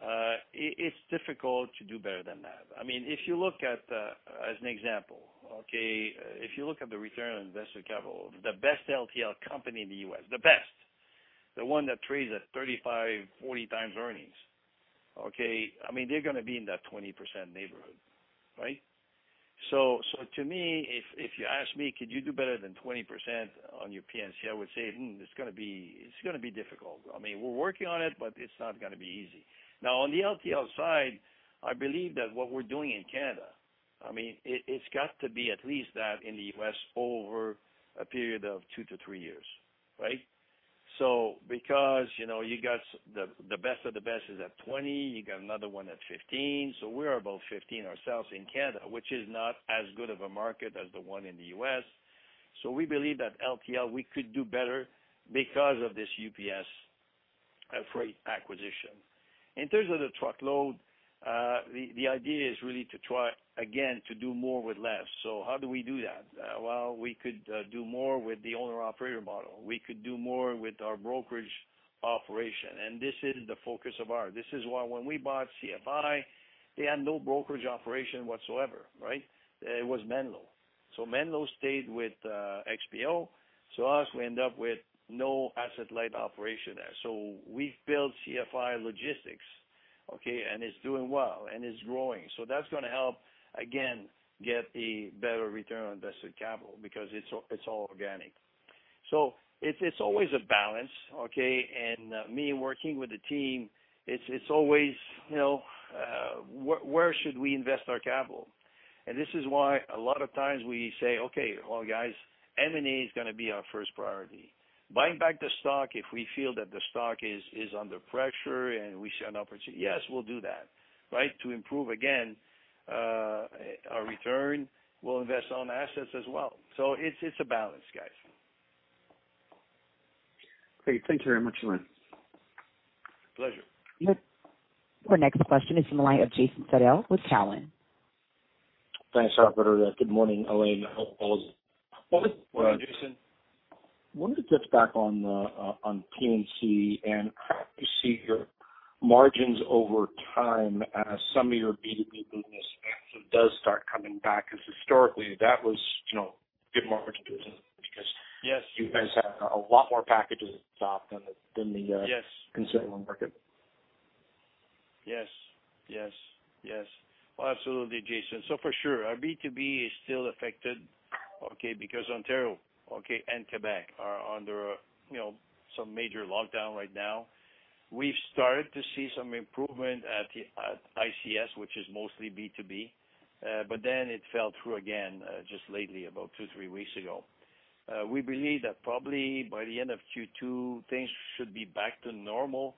okay, it's difficult to do better than that. I mean, if you look at, as an example, okay, if you look at the return on invested capital, the best LTL company in the U.S., the best, the one that trades at 35, 40 times earnings, okay, I mean, they're gonna be in that 20% neighborhood, right? To me, if you ask me, could you do better than 20% on your P&C? I would say, "It's gonna be difficult." I mean, we're working on it, but it's not gonna be easy. On the LTL side, I believe that what we're doing in Canada, I mean, it's got to be at least that in the U.S. over a period of two-three years, right? Because, you know, you got the best of the best is at 20, you got another one at 15. We're about 15 ourselves in Canada, which is not as good of a market as the one in the U.S. We believe that LTL, we could do better because of this UPS Freight acquisition. In terms of the truckload, the idea is really to try again to do more with less. How do we do that? Well, we could do more with the owner-operator model. We could do more with our brokerage operation. This is the focus of ours. This is why when we bought CFI, they had no brokerage operation whatsoever, right? It was Menlo. Menlo stayed with XPO. Us, we end up with no asset-light operation there. We've built CFI Logistics, okay? It's doing well, and it's growing. That's gonna help, again, get a better return on invested capital because it's all organic. It's always a balance, okay? Me working with the team, it's always, you know, where should we invest our capital? This is why a lot of times we say, "Okay, well, guys, M&A is gonna be our first priority." Buying back the stock, if we feel that the stock is under pressure and we see an opportunity, yes, we'll do that, right? To improve, again, our return, we'll invest on assets as well. It's a balance, guys. Great. Thank you very much, Alain. Pleasure. Our next question is from the line of Jason Seidl with Cowen. Thanks, operator. Good morning, Alain Bédard. Hope all is well. Morning, Jason. Wanted to touch back on P&C and how you see your margins over time as some of your B2B business actually does start coming back. Historically, that was, you know, good margin business because. Yes. You guys have a lot more packages to drop than the. Yes. -consumer market. Yes. Yes. Yes. Absolutely, Jason. For sure, our B2B is still affected because Ontario and Quebec are under, you know, some major lockdown right now. We've started to see some improvement at ICS, which is mostly B2B, but then it fell through again just lately, about two, three weeks ago. We believe that probably by the end of Q2, things should be back to normal.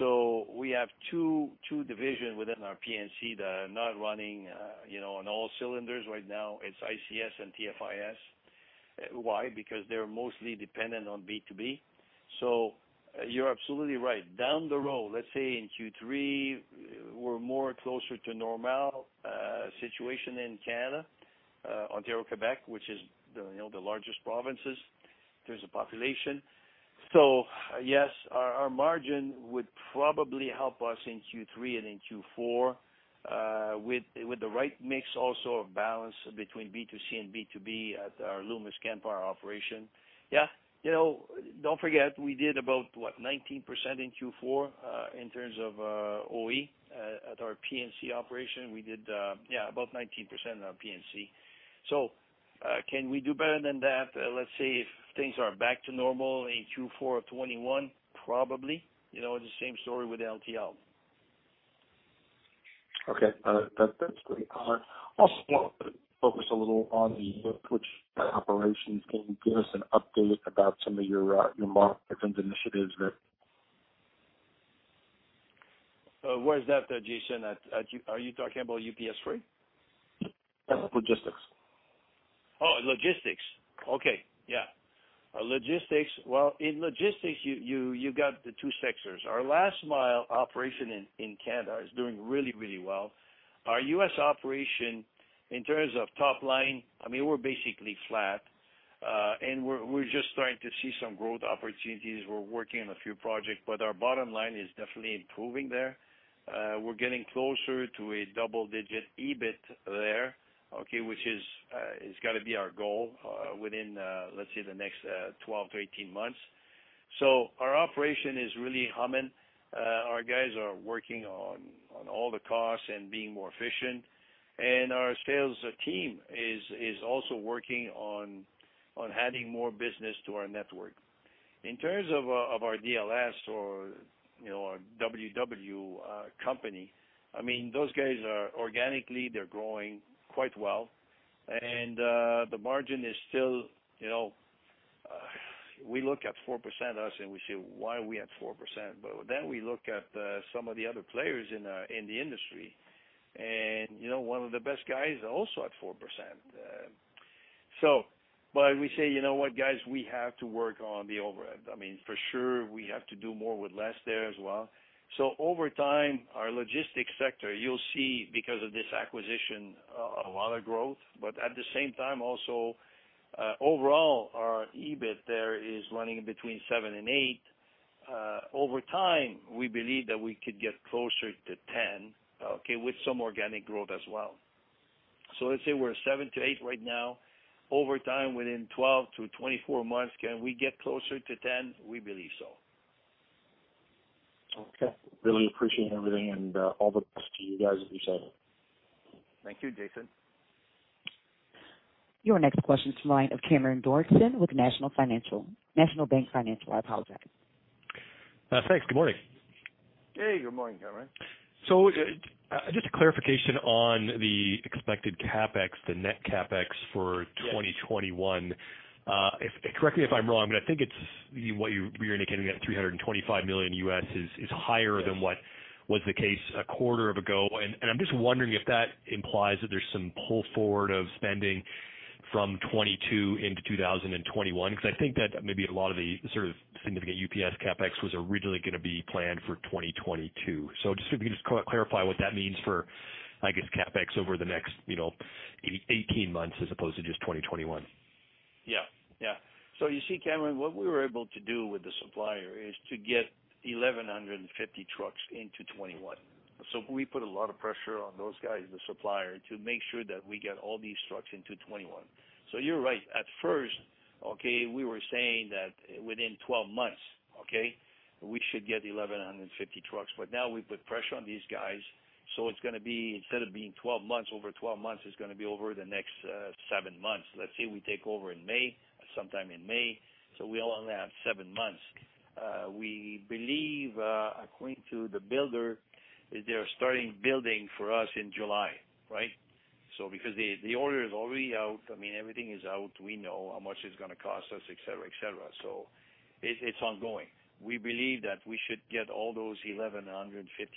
We have two divisions within our P&C that are not running, you know, on all cylinders right now. It's ICS and TFIS. Why? Because they're mostly dependent on B2B. You're absolutely right. Down the road, let's say in Q3, we're more closer to normal situation in Canada, Ontario, Quebec, which is the, you know, the largest provinces in terms of population. Yes, our margin would probably help us in Q3 and in Q4 with the right mix also of balance between B2C and B2B at our Loomis Express operation. You know, don't forget, we did about, what, 19% in Q4 in terms of OE at our P&C operation. We did about 19% on P&C. Can we do better than that? Let's say if things are back to normal in Q4 of 2021, probably. You know, the same story with LTL. Okay. That's great. I also wanted to focus a little on the Package and Courier operations. Can you give us an update about some of your market and initiatives that Where is that, Jason? At, are you talking about UPS Freight? Logistics. Logistics. Okay. Yeah. Logistics. Well, in logistics, you got the two sectors. Our last mile operation in Canada is doing really well. Our U.S. operation, in terms of top line, I mean, we're basically flat. We're just starting to see some growth opportunities. We're working on a few projects, our bottom line is definitely improving there. We're getting closer to a double-digit EBIT there, okay, which is, it's gotta be our goal, within, let's say, the next 12 months-18 months. Our operation is really humming. Our guys are working on all the costs and being more efficient, our sales team is also working on adding more business to our network. In terms of our DLS or, you know, our WW company, I mean, those guys are organically, they're growing quite well. The margin is still, you know, we look at 4% U.S. and we say why are we at 4%? We look at some of the other players in the industry and, you know, one of the best guys are also at 4%. We say, "You know what, guys, we have to work on the overhead." I mean, for sure we have to do more with less there as well. Over time, our logistics sector, you'll see because of this acquisition, a lot of growth, but at the same time also, overall our EBIT there is running between 7% and 8%. Over time, we believe that we could get closer to 10%, okay, with some organic growth as well. Let's say we're at 7% to 8% right now. Over time, within 12 months-24 months, can we get closer to 10%? We believe so. Okay. Really appreciate everything and, all the best to you guys with your schedule. Thank you, Jason. Your next question is the line of Cameron Doerksen with National Financial. National Bank Financial, I apologize. Thanks. Good morning. Hey, good morning, Cameron. Just a clarification on the expected CapEx, the net CapEx. Yes. -2021. If correct me if I'm wrong, but I think it's you're indicating that $325 million U.S. is higher. Yes. -than what was the case a quarter of ago. I'm just wondering if that implies that there's some pull forward of spending from 2022 into 2021, 'cause I think that maybe a lot of the sort of significant UPS CapEx was originally gonna be planned for 2022. Just if you could just clarify what that means for, I guess, CapEx over the next, you know, 18 months as opposed to just 2021. You see, Cameron, what we were able to do with the supplier is to get 1,150 trucks into 2021. We put a lot of pressure on those guys, the supplier, to make sure that we get all these trucks into 2021. You are right. At first, we were saying that within 12 months, we should get 1,150 trucks. Now we put pressure on these guys, it's gonna be instead of being 12 months, over 12 months, it's gonna be over the next seven months. Let's say we take over in May, sometime in May, we only have seven months. We believe, according to the builder, is they're starting building for us in July, right? Because the order is already out, I mean, everything is out. We know how much it's gonna cost us, et cetera, et cetera. It's ongoing. We believe that we should get all those 1,150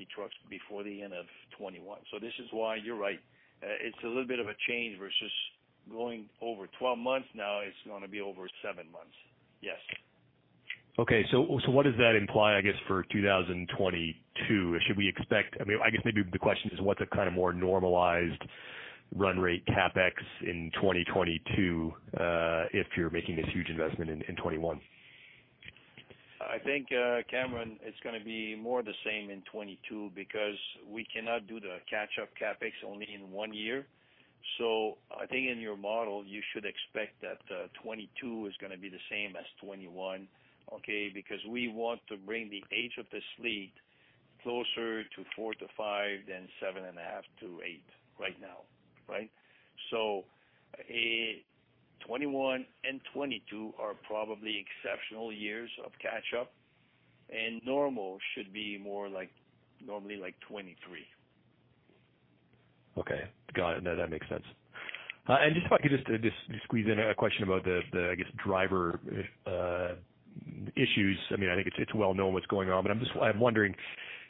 trucks before the end of 2021. This is why you're right. It's a little bit of a change versus going over 12 months now it's gonna be over seven months. Yes. Okay. What does that imply, I guess, for 2022? I mean, I guess maybe the question is what's a kind of more normalized run rate CapEx in 2022, if you're making this huge investment in 2021? I think, Cameron, it's gonna be more the same in 2022 because we cannot do the catch-up CapEx only in one year. I think in your model you should expect that 2022 is gonna be the same as 2021, okay, because we want to bring the age of this fleet closer to 4%-5% than 7.5%-8% right now, right? 2021 and 2022 are probably exceptional years of catch-up, and normal should be more like, normally like 2023. Okay. Got it. No, that makes sense. Just if I could just squeeze in a question about the I guess driver issues. I mean, I think it's well known what's going on, but I'm wondering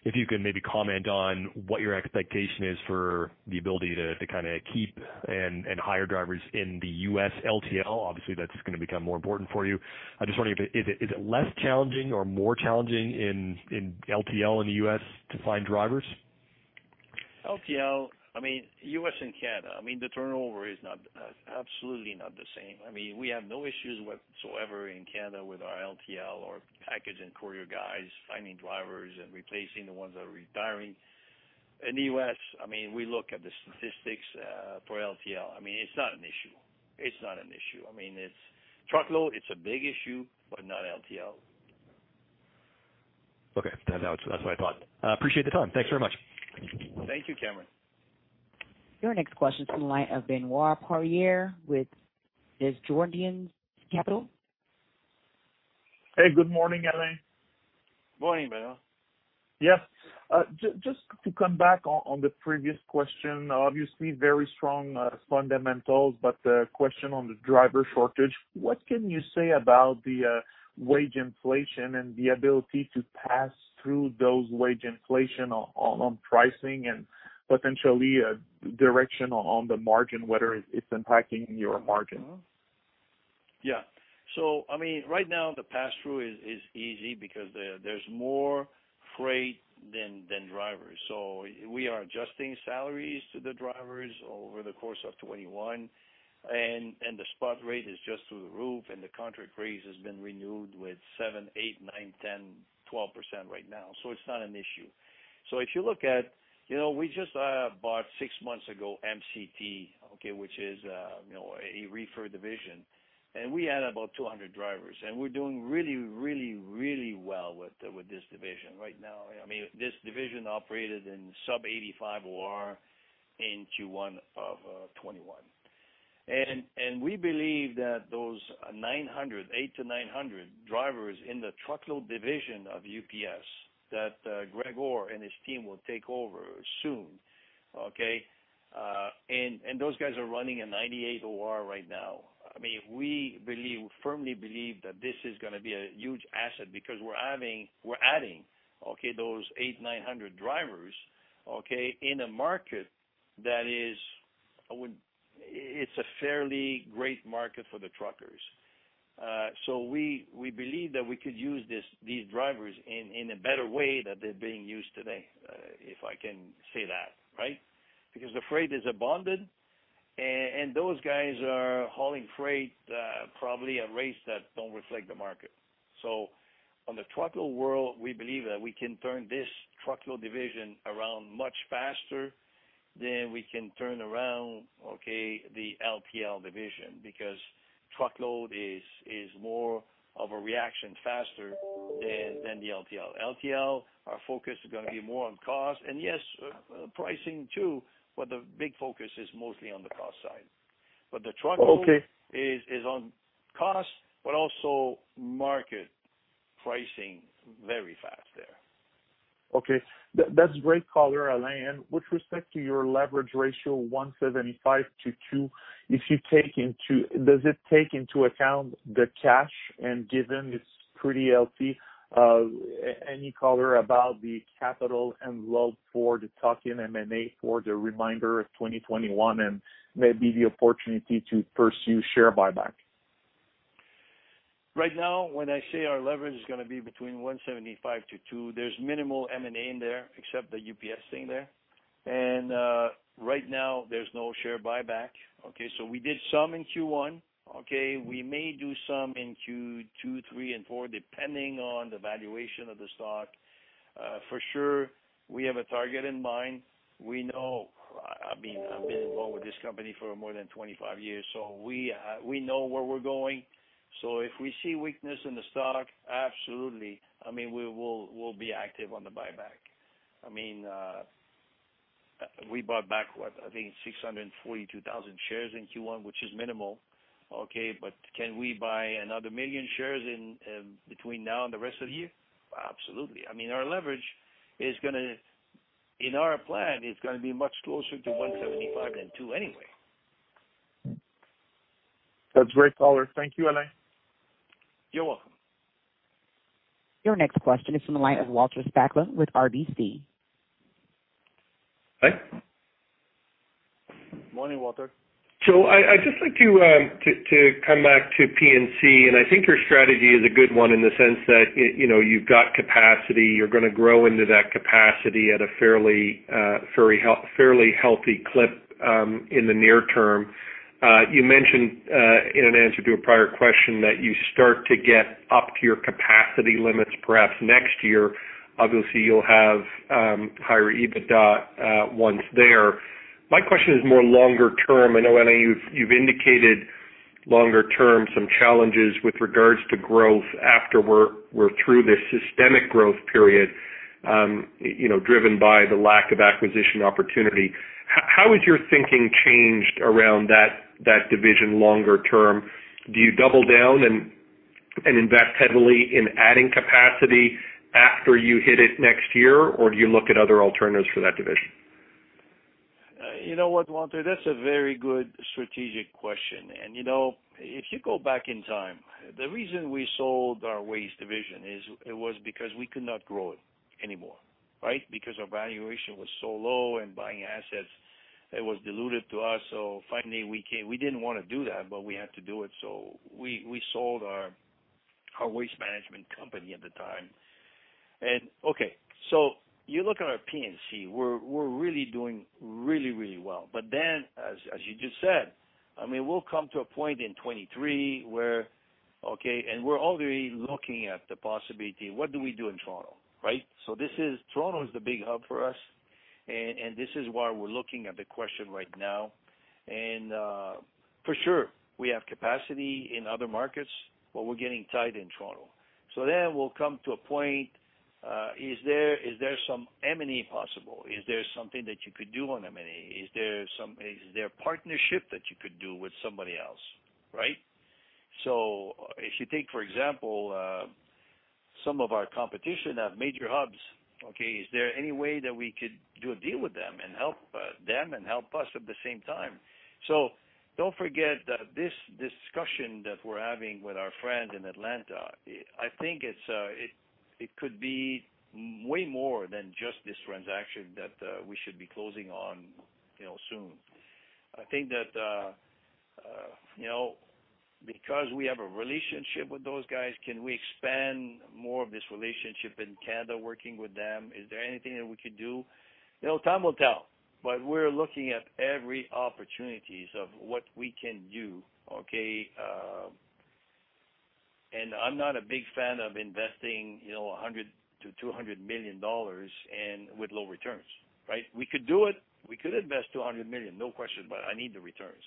if you can maybe comment on what your expectation is for the ability to kinda keep and hire drivers in the U.S. LTL. Obviously, that's gonna become more important for you. I'm just wondering is it less challenging or more challenging in LTL in the U.S. to find drivers? LTL, I mean, U.S. and Canada, I mean, the turnover is not, absolutely not the same. I mean, we have no issues whatsoever in Canada with our LTL or Package and Courier guys finding drivers and replacing the ones that are retiring. In the U.S., I mean, we look at the statistics, for LTL. I mean, it's not an issue. It's not an issue. I mean, it's Truckload, it's a big issue, but not LTL. Okay. That's what I thought. Appreciate the time. Thanks very much. Thank you, Cameron. Your next question is from the line of Benoit Poirier with Desjardins Capital. Hey, good morning, Alain. Morning, Benoit. Yes. Just to come back on the previous question, obviously very strong fundamentals, but question on the driver shortage. What can you say about the wage inflation and the ability to pass through those wage inflation on pricing and potentially direction on the margin, whether it's impacting your margin? I mean, right now the pass-through is easy because there's more freight than drivers. We are adjusting salaries to the drivers over the course of 2021 and the spot rate is just through the roof and the contract raise has been renewed with 7%, 8%, 9%, 10%, 12% right now. It's not an issue. If you look at, you know, we just bought six months ago MCT, okay, which is, you know, a reefer division, and we add about 200 drivers, and we're doing really well with this division right now. I mean, this division operated in sub 85 OR in Q1 of 2021. We believe that those 900, 800 to 900 drivers in the truckload division of UPS that Greg Orr and his team will take over soon. Those guys are running a 98 OR right now. I mean, we firmly believe that this is gonna be a huge asset because we're adding, those 800, 900 drivers, in a market that is a fairly great market for the truckers. We believe that we could use this, these drivers in a better way than they're being used today, if I can say that. Because the freight is abundant and those guys are hauling freight, probably at rates that don't reflect the market. On the truckload world, we believe that we can turn this truckload division around much faster than we can turn around, okay, the LTL division because truckload is more of a reaction faster than the LTL. LTL, our focus is gonna be more on cost, and yes, pricing too, but the big focus is mostly on the cost side. Okay Is on cost, but also market pricing very fast there. Okay. That's great color, Alain. With respect to your leverage ratio 1.75:2, does it take into account the cash and given it's pretty healthy, any color about the capital envelope for the tuck-in M&A for the remainder of 2021 and maybe the opportunity to pursue share buyback? Right now, when I say our leverage is gonna be between 1.75:2, there's minimal M&A in there except the UPS thing there. Right now there's no share buyback, okay. We did some in Q1, okay. We may do some in Q2, three and four, depending on the valuation of the stock. For sure, we have a target in mind. We know I mean, I've been involved with this company for more than 25 years, we know where we're going. If we see weakness in the stock, absolutely. I mean, we'll be active on the buyback. I mean, we bought back what. I think 642,000 shares in Q1, which is minimal, okay. Can we buy another 1 million shares in between now and the rest of the year? Absolutely. I mean, our leverage is gonna, in our plan, is gonna be much closer to 1.75 than two anyway. That's great color. Thank you, Alain. You're welcome. Your next question is from the line of Walter Spracklin with RBC. Hi. Morning, Walter. I'd just like to come back to P&C, and I think your strategy is a good one in the sense that it, you know, you've got capacity. You're gonna grow into that capacity at a fairly healthy clip in the near term. You mentioned in an answer to a prior question that you start to get up to your capacity limits perhaps next year. Obviously, you'll have higher EBITDA once there. My question is more longer term. I know, Alain Bédard, you've indicated longer term some challenges with regards to growth after we're through this systemic growth period, you know, driven by the lack of acquisition opportunity. How has your thinking changed around that division longer term? Do you double down and invest heavily in adding capacity after you hit it next year, or do you look at other alternatives for that division? You know what, Walter? That's a very good strategic question. You know, if you go back in time, the reason we sold our waste division is it was because we could not grow it anymore, right? Because our valuation was so low and buying assets, it was diluted to us. Finally we didn't wanna do that, but we had to do it, so we sold our waste management company at the time. Okay, you look at our P&C, we're really doing really, really well. As you just said, I mean, we'll come to a point in 2023 where, okay, and we're already looking at the possibility, what do we do in Toronto, right? This is Toronto is the big hub for us and this is why we're looking at the question right now. For sure, we have capacity in other markets, but we're getting tight in Toronto. We'll come to a point, is there some M&A possible? Is there something that you could do on M&A? Is there a partnership that you could do with somebody else, right? If you take, for example, some of our competition at major hubs, okay. Is there any way that we could do a deal with them and help them and help us at the same time? Don't forget that this discussion that we're having with our friend in Atlanta, I think it could be way more than just this transaction that we should be closing on, you know, soon. I think that, you know, because we have a relationship with those guys, can we expand more of this relationship in Canada working with them? Is there anything that we could do? You know, time will tell. We're looking at every opportunities of what we can do, okay? I'm not a big fan of investing, you know, $100 million to $200 million and with low returns, right? We could do it. We could invest $200 million, no question, but I need the returns.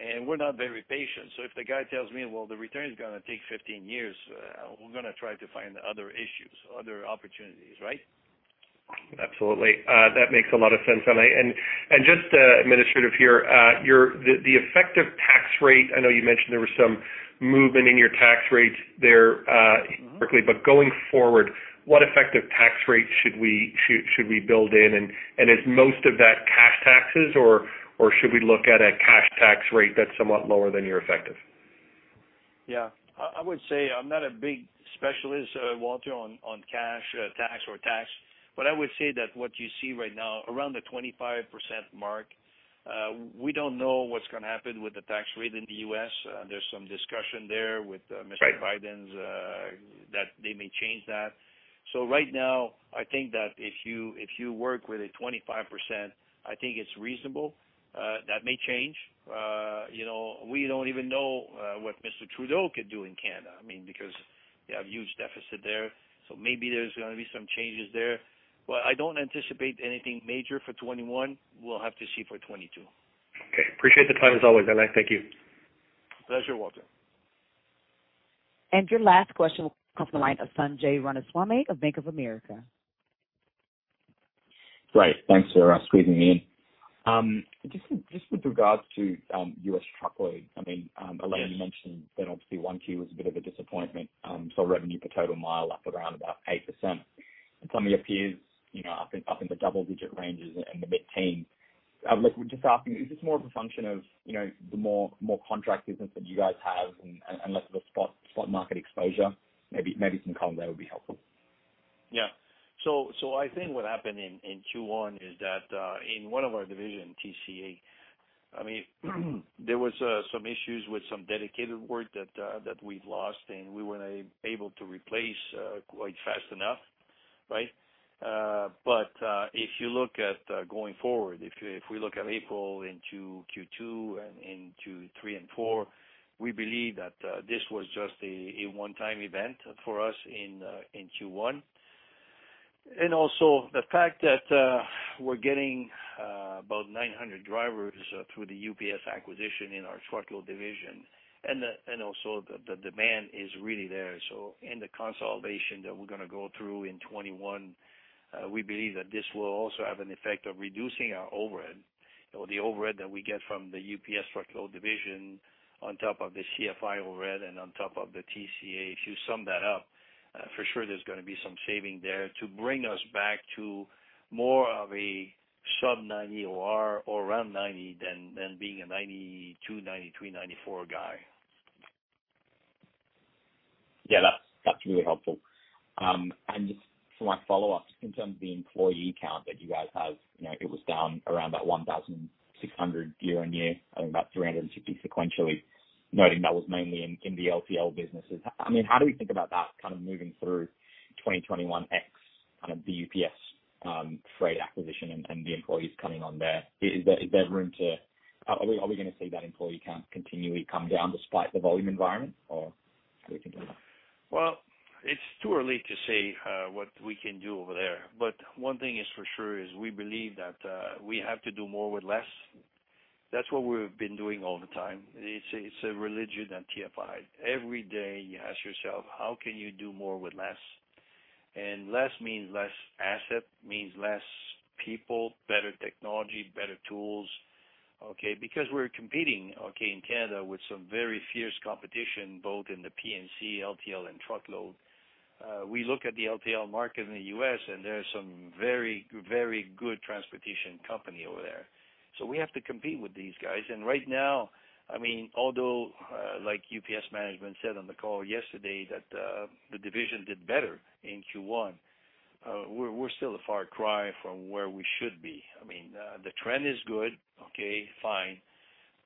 We're not very patient. If the guy tells me, "Well, the return is gonna take 15 years," we're gonna try to find other issues, other opportunities, right? Absolutely. That makes a lot of sense. Just administrative here, the effective tax rate, I know you mentioned there was some movement in your tax rates there quickly, but going forward, what effective tax rate should we build in? Is most of that cash taxes or should we look at a cash tax rate that's somewhat lower than your effective? Yeah. I would say I'm not a big specialist, Walter, on cash or tax. I would say that what you see right now, around the 25% mark, we don't know what's gonna happen with the tax rate in the U.S. There's some discussion there with. Right. Mr. Biden's that they may change that. Right now, I think that if you work with a 25%, I think it's reasonable. That may change. You know, we don't even know what Mr. Trudeau could do in Canada, I mean, because they have huge deficit there. Maybe there's gonna be some changes there, but I don't anticipate anything major for 2021. We'll have to see for 2022. Okay. Appreciate the time as always, Alain. Thank you. Pleasure, Walter. Your last question will come from the line of Sanjay Ramaswamy of Bank of America. Great. Thanks for squeezing me in. Just with regards to U.S. Truckload, I mean. Yes. Alain mentioned that obviously Q1 was a bit of a disappointment, so revenue per total mile up around about 8%. Some of your peers, you know, up in the double-digit ranges and the mid-teen. Like, we're just asking, is this more of a function of, you know, the more contract business that you guys have and less of a spot market exposure? Maybe some color there would be helpful. I think what happened in Q1 is that in one of our division, TCA, there was some issues with some dedicated work that we've lost, and we weren't able to replace quite fast enough, right. If you look at going forward, if we look at April into Q2 and into three and four, we believe that this was just a one-time event for us in Q1. Also the fact that we're getting about 900 drivers through the UPS acquisition in our truckload division and also the demand is really there. In the consolidation that we're gonna go through in 2021, we believe that this will also have an effect of reducing our overhead or the overhead that we get from the UPS Truckload division on top of the TFI overhead and on top of the TCA. If you sum that up, for sure there's gonna be some saving there to bring us back to more of a sub 90 OR or around 90 than being a 92, 93, 94 guy. Yeah. That's really helpful. Just for my follow-up, in terms of the employee count that you guys have, you know, it was down around that 1,600 year-on-year, I think about 360 sequentially, noting that was mainly in the LTL businesses. I mean, how do we think about that kind of moving through 2021 ex kind of the UPS Freight acquisition and the employees coming on there? Is there room to are we gonna see that employee count continually come down despite the volume environment or how are we thinking about that? Well, it's too early to say, what we can do over there. One thing is for sure is we believe that, we have to do more with less. That's what we've been doing all the time. It's a, it's a religion at TFI. Every day you ask yourself, how can you do more with less? Less means less asset, means less people, better technology, better tools, okay? Because we're competing, okay, in Canada with some very fierce competition, both in the P&C, LTL, and truckload. We look at the LTL market in the U.S. and there are some very, very good transportation company over there. We have to compete with these guys. Right now, I mean, although, like UPS management said on the call yesterday that the division did better in Q1, we're still a far cry from where we should be. I mean, the trend is good, okay, fine,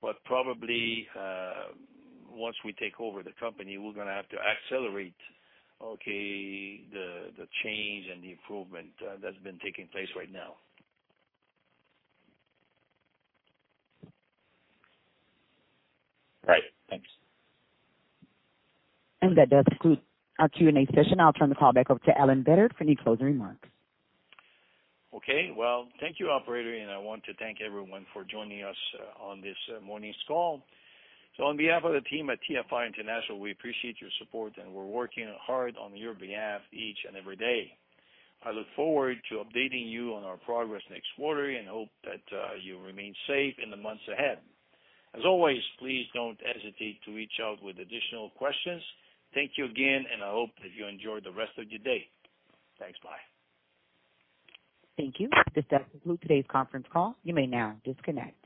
but probably, once we take over the company, we're gonna have to accelerate, okay, the change and the improvement that's been taking place right now. Right. Thanks. That does conclude our Q&A session. I'll turn the call back over to Alain Bédard for any closing remarks. Okay. Well, thank you, operator, I want to thank everyone for joining us, on this morning's call. On behalf of the team at TFI International, we appreciate your support, and we're working hard on your behalf each and every day. I look forward to updating you on our progress next quarter and hope that, you remain safe in the months ahead. As always, please don't hesitate to reach out with additional questions. Thank you again, and I hope that you enjoy the rest of your day. Thanks. Bye. Thank you. This does conclude today's conference call. You may now disconnect.